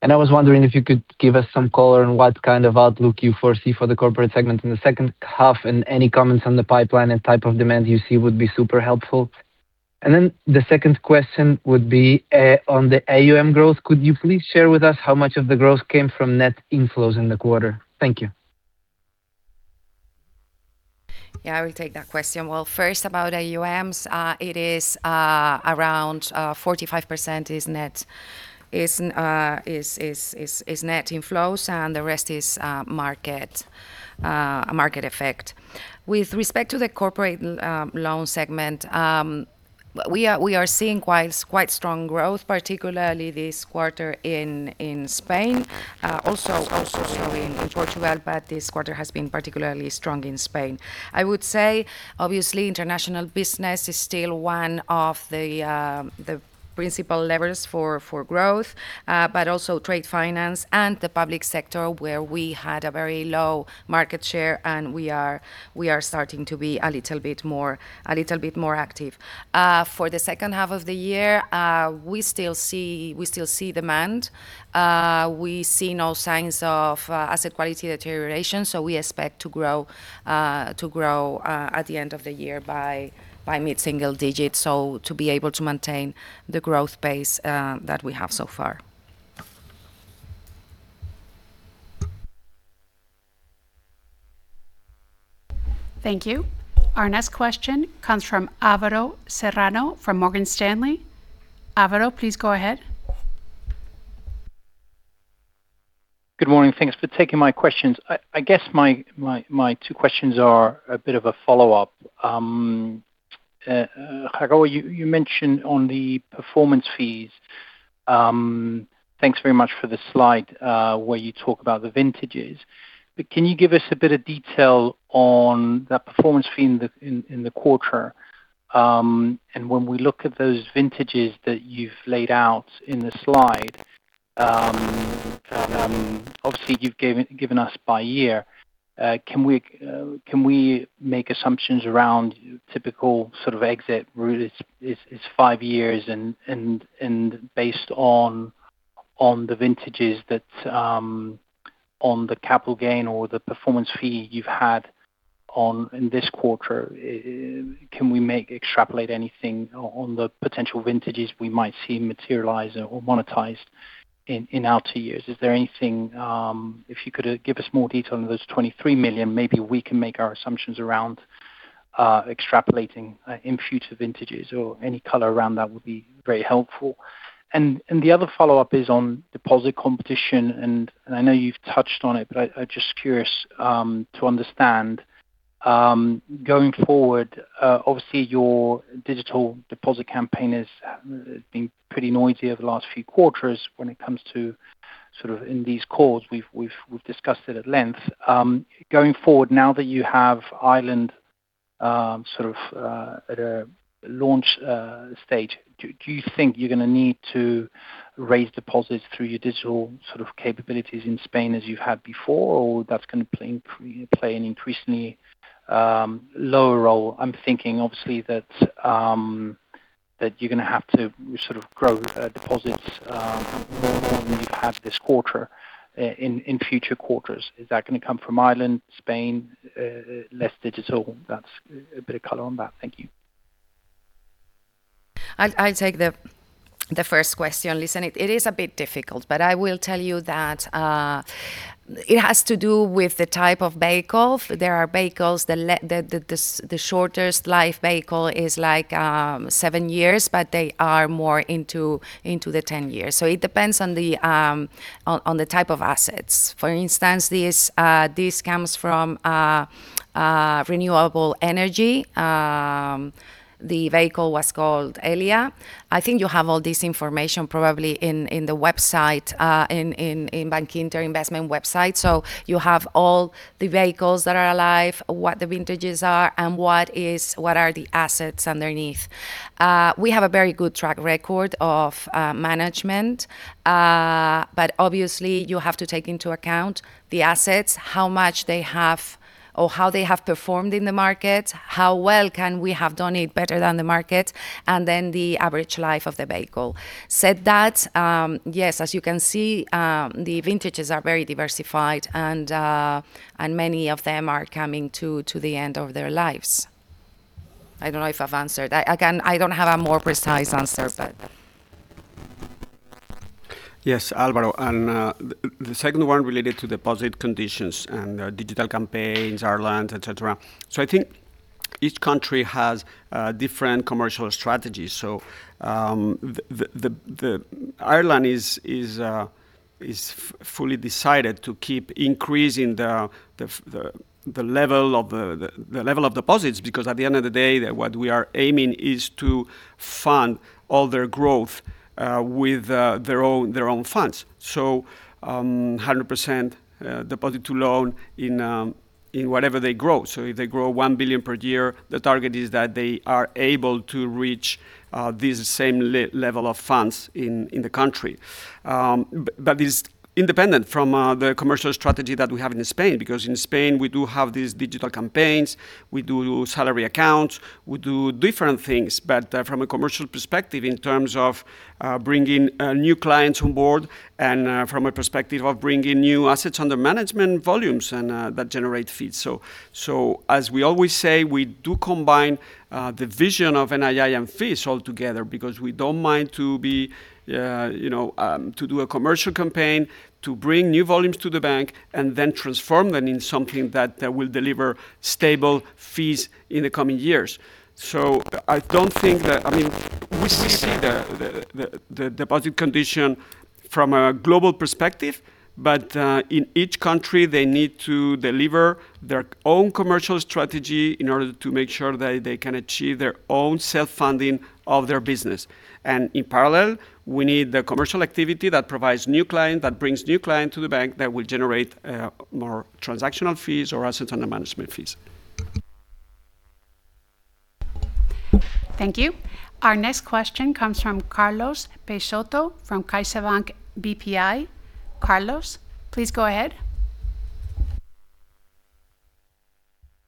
S7: I was wondering if you could give us some color on what kind of outlook you foresee for the corporate segment in the second half, and any comments on the pipeline and type of demand you see would be super helpful. The second question would be on the AUM growth. Could you please share with us how much of the growth came from net inflows in the quarter? Thank you.
S2: Yeah, I will take that question. Well, first about AUMs, it is around 45% is net inflows, the rest is market effect. With respect to the corporate loan segment, we are seeing quite strong growth, particularly this quarter in Spain. Also showing in Portugal, this quarter has been particularly strong in Spain. I would say, obviously, international business is still one of the principal levers for growth, trade finance and the public sector, where we had a very low market share, we are starting to be a little bit more active. For the second half of the year, we still see demand. We see no signs of asset quality deterioration, we expect to grow at the end of the year by mid-single digits, to be able to maintain the growth pace that we have so far.
S1: Thank you. Our next question comes from Alvaro Serrano from Morgan Stanley. Alvaro, please go ahead.
S8: Good morning. Thanks for taking my questions. I guess my two questions are a bit of a follow-up. Jacobo, you mentioned on the performance fees, thanks very much for the slide where you talk about the vintages. Can you give us a bit of detail on that performance fee in the quarter? When we look at those vintages that you've laid out in the slide, obviously you've given us by year, can we make assumptions around typical sort of exit route? It's five years and based on the vintages, on the capital gain or the performance fee you've had in this quarter, can we extrapolate anything on the potential vintages we might see materialize or monetized in out years? If you could give us more detail on those 23 million, maybe we can make our assumptions around extrapolating in future vintages or any color around that would be very helpful. The other follow-up is on deposit competition, I know you've touched on it, I'm just curious to understand. Going forward, obviously your digital deposit campaign has been pretty noisy over the last few quarters when it comes to, in these calls, we've discussed it at length. Going forward, now that you have Ireland sort of at a launch stage, do you think you're going to need to raise deposits through your digital capabilities in Spain as you have before, or will that play an increasingly lower role? I'm thinking obviously that you're going to have to sort of grow deposits more than you have this quarter in future quarters. Is that going to come from Ireland, Spain, less digital? A bit of color on that. Thank you.
S2: I'll take the first question. Listen, it is a bit difficult, I will tell you that it has to do with the type of vehicle. There are vehicles, the shortest life vehicle is seven years, they are more into the 10 years. It depends on the type of assets. For instance, this comes from renewable energy. The vehicle was called Helia. I think you have all this information probably in Bankinter Investment website. You have all the vehicles that are alive, what the vintages are, and what are the assets underneath. We have a very good track record of management. Obviously you have to take into account the assets, how much they have, or how they have performed in the market, how well can we have done it better than the market, and then the average life of the vehicle. Said that, yes, as you can see, the vintages are very diversified and many of them are coming to the end of their lives. I don't know if I've answered that. Again, I don't have a more precise answer.
S3: Yes, Alvaro. The second one related to deposit conditions and digital campaigns, Ireland, et cetera. I think each country has different commercial strategies. Ireland is fully decided to keep increasing the level of deposits because at the end of the day, what we are aiming is to fund all their growth with their own funds. 100% deposit-to-loan in whatever they grow. If they grow 1 billion per year, the target is that they are able to reach this same level of funds in the country. It's independent from the commercial strategy that we have in Spain, because in Spain, we do have these digital campaigns, we do salary accounts, we do different things. From a commercial perspective, in terms of bringing new clients on board and from a perspective of bringing new assets under management volumes and that generate fees. As we always say, we do combine the vision of NII and fees all together because we don't mind to do a commercial campaign, to bring new volumes to the bank, and then transform them in something that will deliver stable fees in the coming years. We see the deposit condition from a global perspective, but in each country, they need to deliver their own commercial strategy in order to make sure that they can achieve their own self-funding of their business. In parallel, we need the commercial activity that provides new client, that brings new client to the bank that will generate more transactional fees or assets under management fees.
S1: Thank you. Our next question comes from Carlos Peixoto from CaixaBank BPI. Carlos, please go ahead.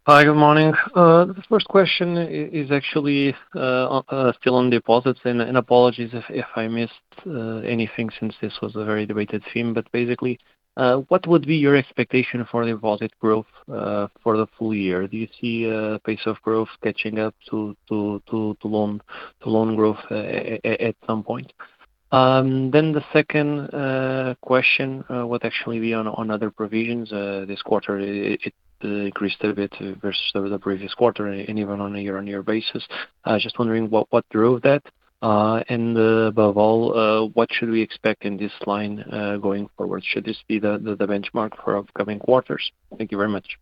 S9: Hi, good morning. The first question is actually still on deposits, and apologies if I missed anything since this was a very debated theme. Basically, what would be your expectation for deposit growth for the full year? Do you see a pace of growth catching up to loan growth at some point? The second question would actually be on other provisions. This quarter, it increased a bit versus the previous quarter, and even on a year-on-year basis. I was just wondering what drove that, and above all, what should we expect in this line going forward? Should this be the benchmark for upcoming quarters? Thank you very much.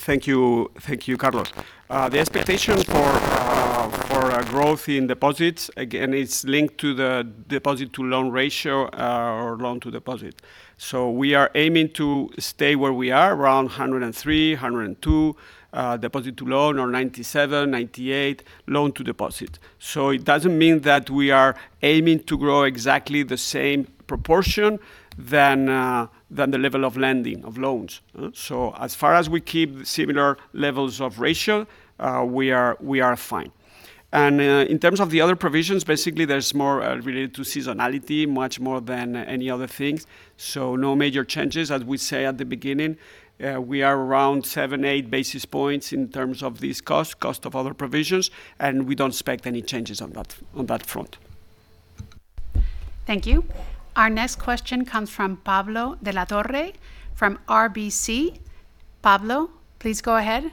S3: Thank you, Carlos. The expectation for growth in deposits, again, it's linked to the deposit-to-loan ratio or loan-to-deposit. We are aiming to stay where we are, around 103%, 102% deposit-to-loan, or 97%, 98% loan-to-deposit. It doesn't mean that we are aiming to grow exactly the same proportion than the level of lending of loans. As far as we keep similar levels of ratio, we are fine. In terms of the other provisions, basically, there's more related to seasonality, much more than any other things. No major changes, as we say at the beginning. We are around 7 basis points-8 basis points in terms of these costs, cost of other provisions, and we don't expect any changes on that front.
S1: Thank you. Our next question comes from Pablo de la Torre from RBC. Pablo, please go ahead.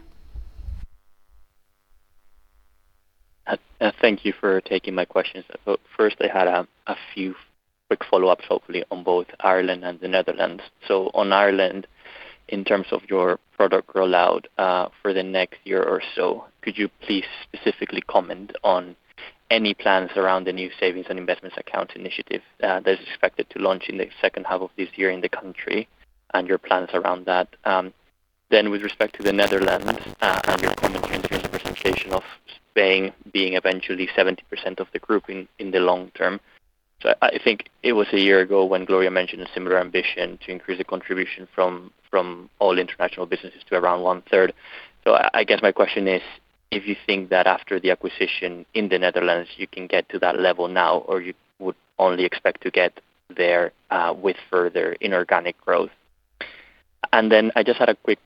S10: Thank you for taking my questions. First, I had a few quick follow-ups, hopefully on both Ireland and the Netherlands. On Ireland, in terms of your product rollout for the next year or so, could you please specifically comment on any plans around the new Savings and Investment Accounts Initiative that is expected to launch in the second half of this year in the country, and your plans around that? With respect to the Netherlands, your comment in terms of representation of Spain being eventually 70% of the group in the long term. I think it was a year ago when Gloria mentioned a similar ambition to increase the contribution from all international businesses to around 1/3. I guess my question is, if you think that after the acquisition in the Netherlands, you can get to that level now, or you would only expect to get there with further inorganic growth. I just had a quick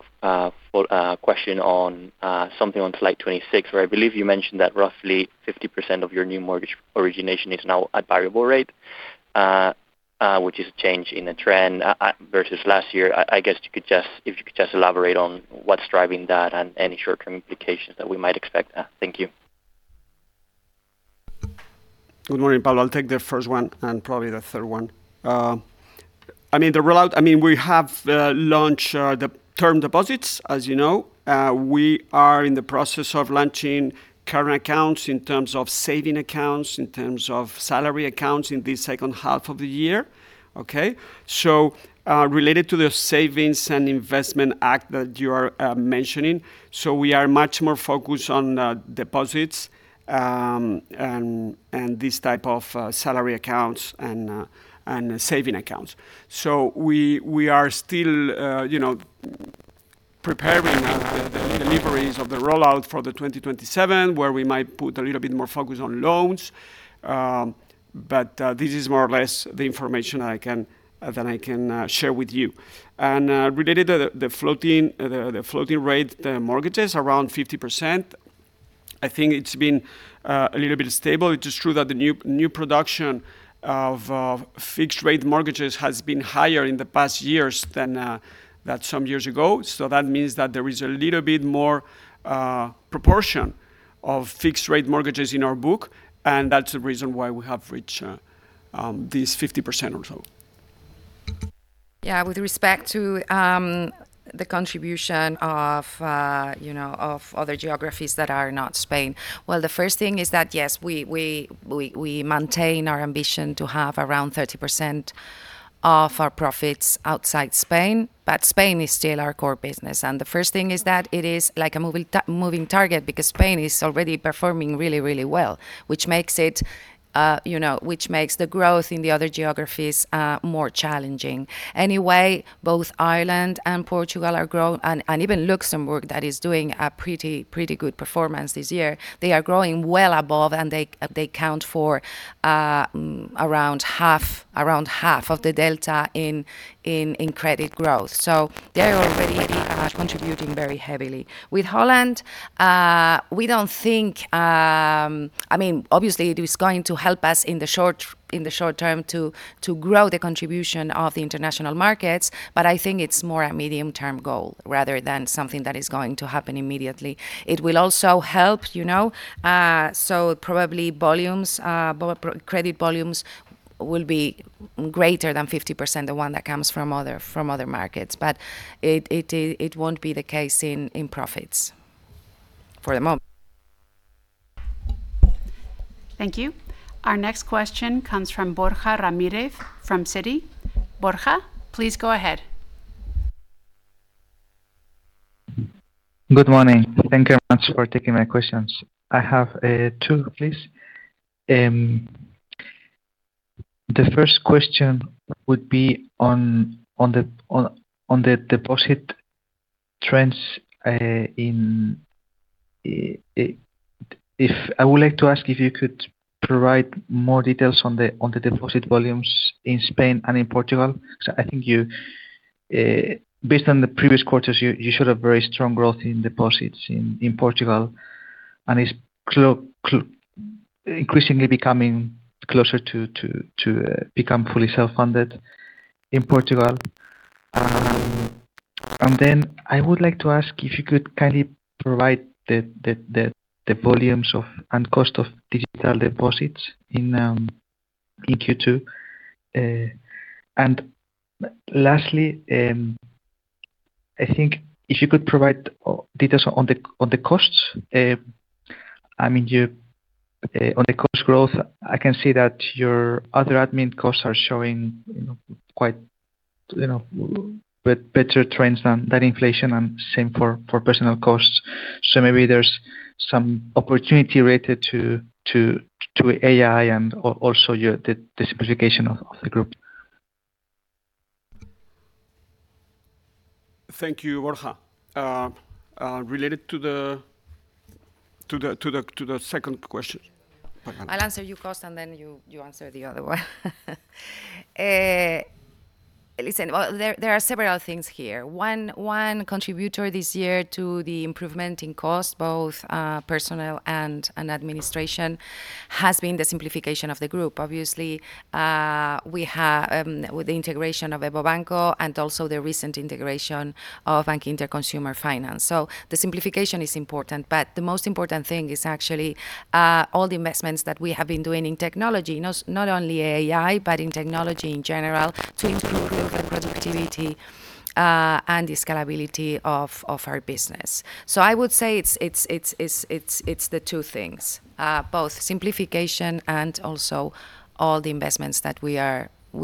S10: question on something on slide 26, where I believe you mentioned that roughly 50% of your new mortgage origination is now at variable rate, which is a change in the trend versus last year. I guess if you could just elaborate on what's driving that and any short-term implications that we might expect. Thank you.
S3: Good morning, Pablo. I'll take the first one and probably the third one. The rollout, we have launched the term deposits, as you know. We are in the process of launching current accounts in terms of saving accounts, in terms of salary accounts in this second half of the year. Okay. Related to the Savings and Investment Accounts that you are mentioning. We are much more focused on deposits, and this type of salary accounts, and saving accounts. We are still preparing the deliveries of the rollout for the 2027, where we might put a little bit more focus on loans. But this is more or less the information that I can share with you. Related to the floating rate mortgages, around 50%, I think it's been a little bit stable. It is true that the new production of fixed rate mortgages has been higher in the past years than some years ago. That means that there is a little bit more proportion of fixed rate mortgages in our book, and that's the reason why we have reached this 50% or so.
S2: Yeah. With respect to the contribution of other geographies that are not Spain. The first thing is that, yes, we maintain our ambition to have around 30% of our profits outside Spain, but Spain is still our core business. The first thing is that it is like a moving target because Spain is already performing really well, which makes the growth in the other geographies more challenging. Anyway, both Ireland and Portugal are growing, and even Luxembourg that is doing a pretty good performance this year. They are growing well above, and they count for around half of the delta in credit growth. They are already contributing very heavily. With Holland, obviously, it is going to help us in the short term to grow the contribution of the international markets, but I think it's more a medium-term goal rather than something that is going to happen immediately. It will also help, probably credit volumes will be greater than 50%, the one that comes from other markets, it won't be the case in profits for the moment.
S1: Thank you. Our next question comes from Borja Ramírez from Citi. Borja, please go ahead.
S11: Good morning. Thank you very much for taking my questions. I have two, please. The first question would be on the deposit trends. I would like to ask if you could provide more details on the deposit volumes in Spain and in Portugal, because based on the previous quarters, you showed a very strong growth in deposits in Portugal, and it's increasingly becoming closer to become fully self-funded in Portugal. I would like to ask if you could kindly provide the volumes and cost of digital deposits in Q2. Lastly, I think if you could provide details on the costs. On the cost growth, I can see that your other admin costs are showing quite better trends than inflation, and same for personal costs. Maybe there's some opportunity related to AI and also the simplification of the group.
S3: Thank you, Borja. Related to the second question.
S2: I'll answer you first. Then you answer the other one. Listen, there are several things here. One contributor this year to the improvement in cost, both personal and administration, has been the simplification of the group. Obviously, with the integration of EVO Banco and also the recent integration of Bankinter Consumer Finance. The simplification is important, but the most important thing is actually all the investments that we have been doing in technology. Not only AI, but in technology in general to improve the productivity and the scalability of our business. I would say it's the two things, both simplification and also all the investments that we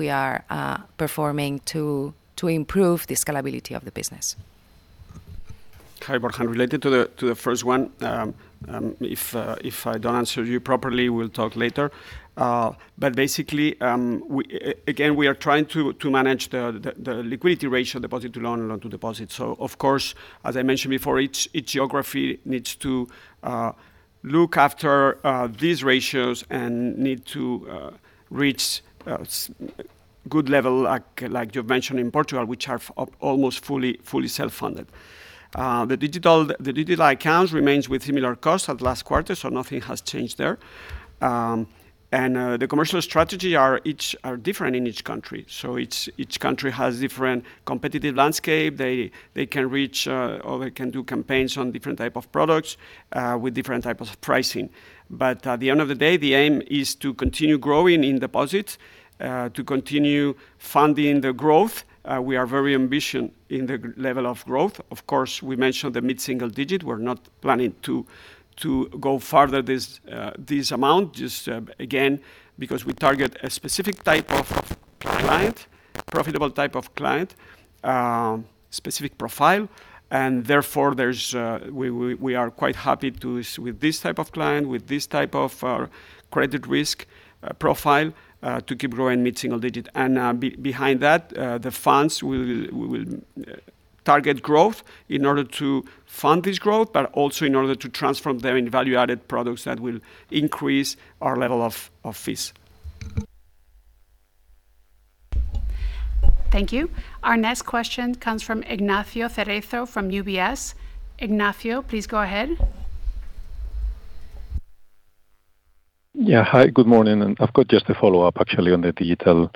S2: are performing to improve the scalability of the business.
S3: Hi, Borja. Related to the first one, if I don't answer you properly, we'll talk later. Basically, again, we are trying to manage the liquidity ratio, deposit-to-loan and loan-to-deposit. Of course, as I mentioned before, each geography needs to look after these ratios and need to reach a good level, like you mentioned in Portugal, which are almost fully self-funded. The digital accounts remains with similar costs as last quarter. Nothing has changed there. The commercial strategy are different in each country. Each country has different competitive landscape. They can reach, or they can do campaigns on different type of products with different type of pricing. At the end of the day, the aim is to continue growing in deposits, to continue funding the growth. We are very ambitious in the level of growth. Of course, we mentioned the mid-single digit. We're not planning to go farther this amount, just again, because we target a specific type of client, profitable type of client, specific profile. Therefore, we are quite happy with this type of client, with this type of credit risk profile, to keep growing mid-single digit. Behind that, the funds will target growth in order to fund this growth, also in order to transform them in value-added products that will increase our level of fees.
S1: Thank you. Our next question comes from Ignacio Cerezo from UBS. Ignacio, please go ahead.
S12: Yeah. Hi, good morning. I've got just a follow-up, actually, on the digital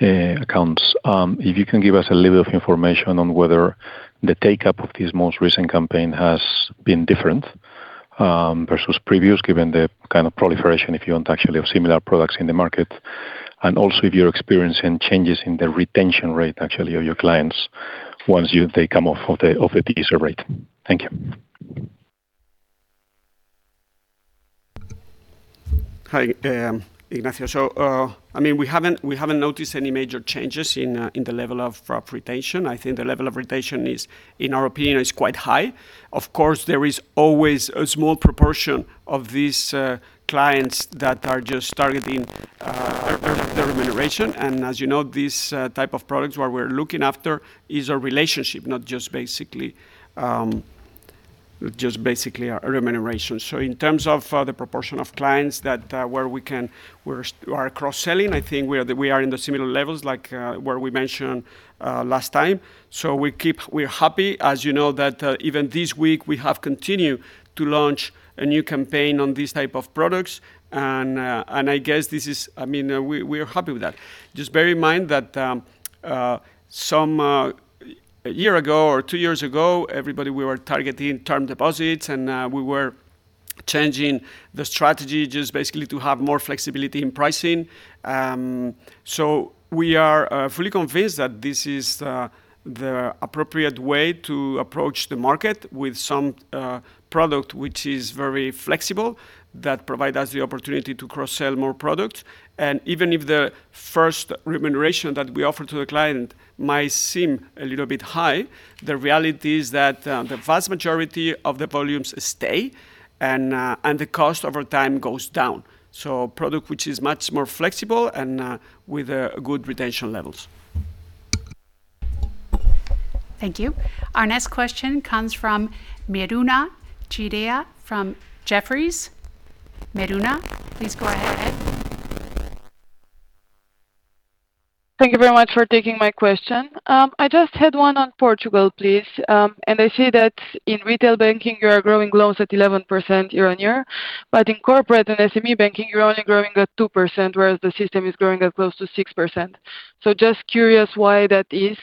S12: accounts. If you can give us a little bit of information on whether the take-up of this most recent campaign has been different versus previous, given the kind of proliferation, if you want, actually, of similar products in the market. Also, if you're experiencing changes in the retention rate, actually, of your clients once they come off of the teaser rate. Thank you.
S3: Hi, Ignacio. We haven't noticed any major changes in the level of retention. I think the level of retention, in our opinion, is quite high. Of course, there is always a small proportion of these clients that are just targeting their remuneration. As you know, these type of products, what we're looking after is a relationship, not just basically a remuneration. In terms of the proportion of clients that we are cross-selling, I think we are in the similar levels like what we mentioned last time. We're happy. As you know, that even this week, we have continued to launch a new campaign on these type of products. I guess we are happy with that. Just bear in mind that a year ago or two years ago, everybody, we were targeting term deposits. We were changing the strategy just basically to have more flexibility in pricing. We are fully convinced that this is the appropriate way to approach the market with some product which is very flexible, that provide us the opportunity to cross-sell more product. Even if the first remuneration that we offer to the client might seem a little bit high, the reality is that the vast majority of the volumes stay, and the cost over time goes down. Product which is much more flexible and with good retention levels.
S1: Thank you. Our next question comes from Miruna Chirea from Jefferies. Miruna, please go ahead.
S13: Thank you very much for taking my question. I just had one on Portugal, please. I see that in retail banking, you are growing loans at 11% year-over-year, but in corporate and SME banking, you're only growing at 2%, whereas the system is growing at close to 6%. Just curious why that is,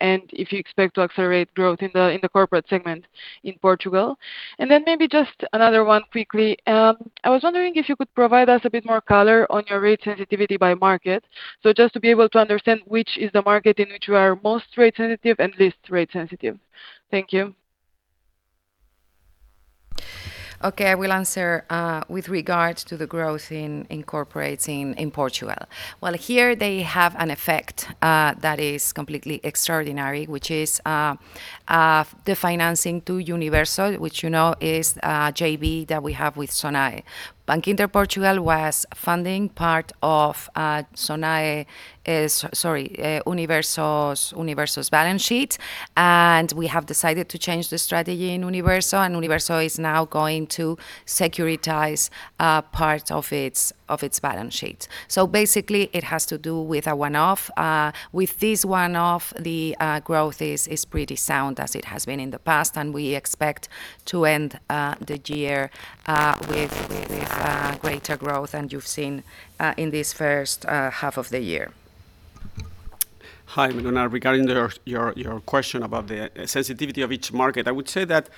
S13: and if you expect to accelerate growth in the corporate segment in Portugal. Then maybe just another one quickly. I was wondering if you could provide us a bit more color on your rate sensitivity by market. Just to be able to understand which is the market in which you are most rate sensitive and least rate sensitive. Thank you.
S2: Okay. I will answer with regards to the growth in corporate in Portugal. Well, here they have an effect that is completely extraordinary, which is the financing to Universo, which is a JV that we have with Sonae. Bankinter Portugal was funding part of Universo's balance sheet. We have decided to change the strategy in Universo, and Universo is now going to securitize a part of its balance sheet. Basically, it has to do with a one-off. With this one-off, the growth is pretty sound as it has been in the past. We expect to end the year with greater growth than you've seen in this first half of the year.
S3: Hi, good morning. Regarding your question about the sensitivity of each market, I would say that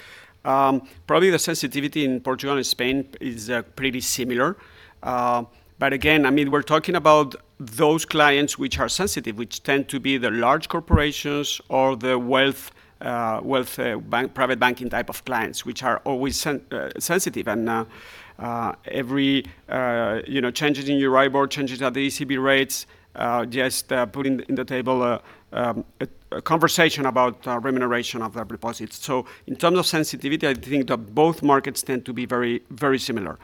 S3: probably the sensitivity in Portugal and Spain is pretty similar. Again, we're talking about those clients which are sensitive, which tend to be the large corporations or the wealth private banking type of clients, which are always sensitive. Every change in Euribor, changes at the ECB rates, just putting in the table a conversation about remuneration of deposits. In terms of sensitivity, I think that both markets tend to be very similar.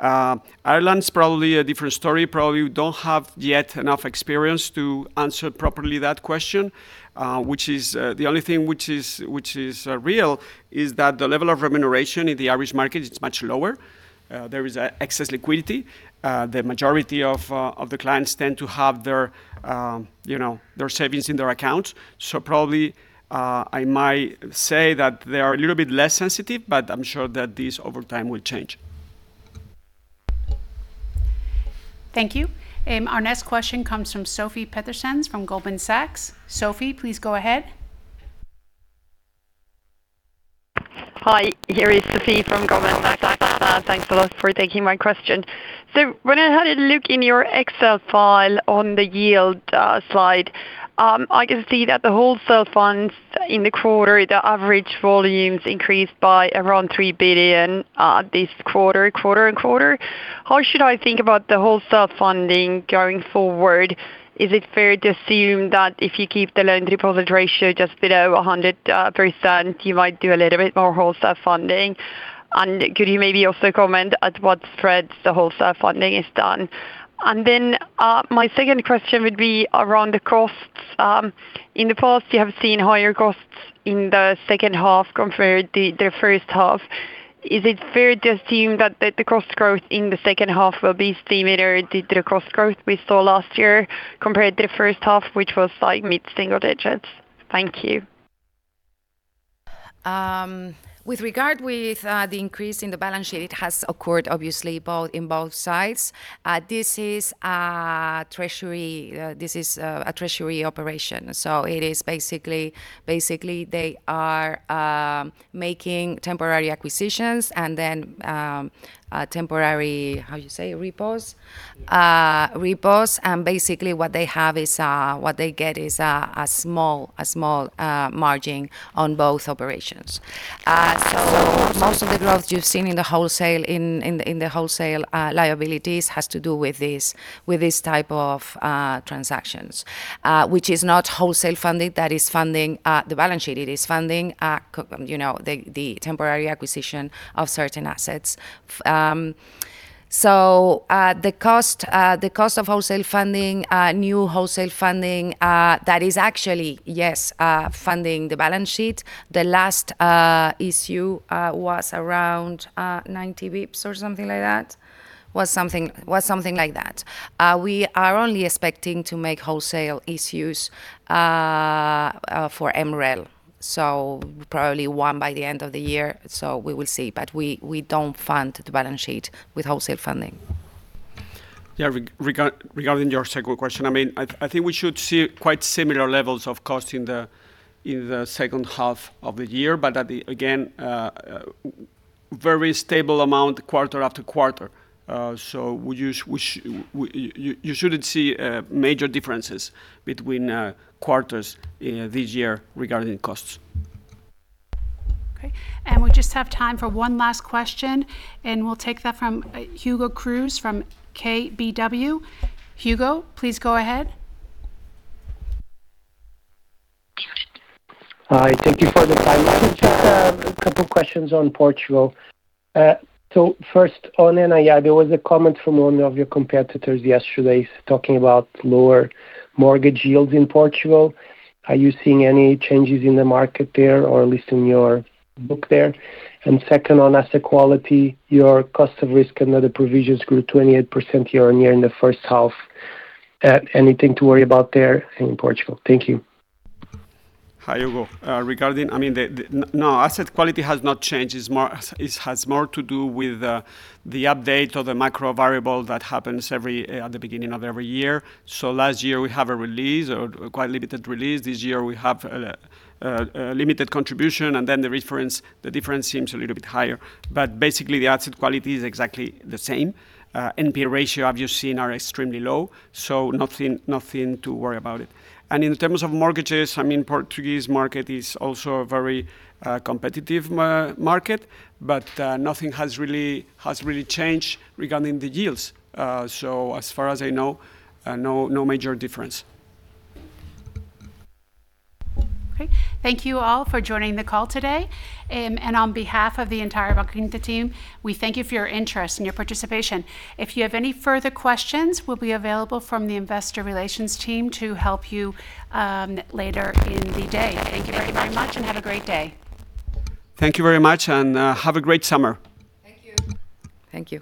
S3: Ireland is probably a different story. Probably we don't have yet enough experience to answer properly that question. Which is the only thing which is real is that the level of remuneration in the Irish market is much lower. There is excess liquidity. The majority of the clients tend to have their savings in their accounts. Probably, I might say that they are a little bit less sensitive, but I'm sure that this over time will change.
S1: Thank you. Our next question comes from Sofie Peterzéns from Goldman Sachs. Sofie, please go ahead.
S14: Hi, here is Sofie from Goldman Sachs. Thanks a lot for taking my question. When I had a look in your Excel file on the yield slide, I can see that the wholesale funds in the quarter, the average volumes increased by around 3 billion this quarter quarter-on-quarter. How should I think about the wholesale funding going forward? Is it fair to assume that if you keep the loan deposit ratio just below 100%, you might do a little bit more wholesale funding? Could you maybe also comment at what spreads the wholesale funding is done? My second question would be around the costs. In the past, you have seen higher costs in the second half compared to the first half. Is it fair to assume that the cost growth in the second half will be similar to the cost growth we saw last year compared to the first half, which was mid-single digits? Thank you.
S2: With regard with the increase in the balance sheet, it has occurred obviously in both sides. This is a treasury operation. It is basically, they are making temporary acquisitions and then temporary, how you say, repos. Basically, what they get is a small margin on both operations. Most of the growth you've seen in the wholesale liabilities has to do with these type of transactions, which is not wholesale funding that is funding the balance sheet. It is funding the temporary acquisition of certain assets. The cost of new wholesale funding, that is actually, yes, funding the balance sheet. The last issue was around 90 basis points or something like that. Was something like that. We are only expecting to make wholesale issues for MREL. Probably one by the end of the year, we will see. We don't fund the balance sheet with wholesale funding.
S3: Regarding your second question, I think we should see quite similar levels of cost in the second half of the year, again, very stable amount quarter-after-quarter. You shouldn't see major differences between quarters this year regarding costs.
S1: Okay. We just have time for one last question, and we'll take that from Hugo Cruz from KBW. Hugo, please go ahead.
S15: Hi. Thank you for the time. I have just a couple of questions on Portugal. First on NII, there was a comment from one of your competitors yesterday talking about lower mortgage yields in Portugal. Are you seeing any changes in the market there, or at least in your book there? Second, on asset quality, your cost of risk and other provisions grew 28% year-on-year in the first half. Anything to worry about there in Portugal? Thank you.
S3: Hi, Hugo. No, asset quality has not changed. It has more to do with the update of the macro variable that happens at the beginning of every year. Last year, we have a release or quite a limited release. This year, we have a limited contribution, the difference seems a little bit higher. Basically, the asset quality is exactly the same. NPL ratio, as you've seen, are extremely low, nothing to worry about. In terms of mortgages, Portuguese market is also a very competitive market, but nothing has really changed regarding the yields. As far as I know, no major difference.
S1: Okay. Thank you all for joining the call today. On behalf of the entire Bankinter team, we thank you for your interest and your participation. If you have any further questions, we'll be available from the investor relations team to help you later in the day. Thank you very much, and have a great day.
S3: Thank you very much, and have a great summer.
S2: Thank you.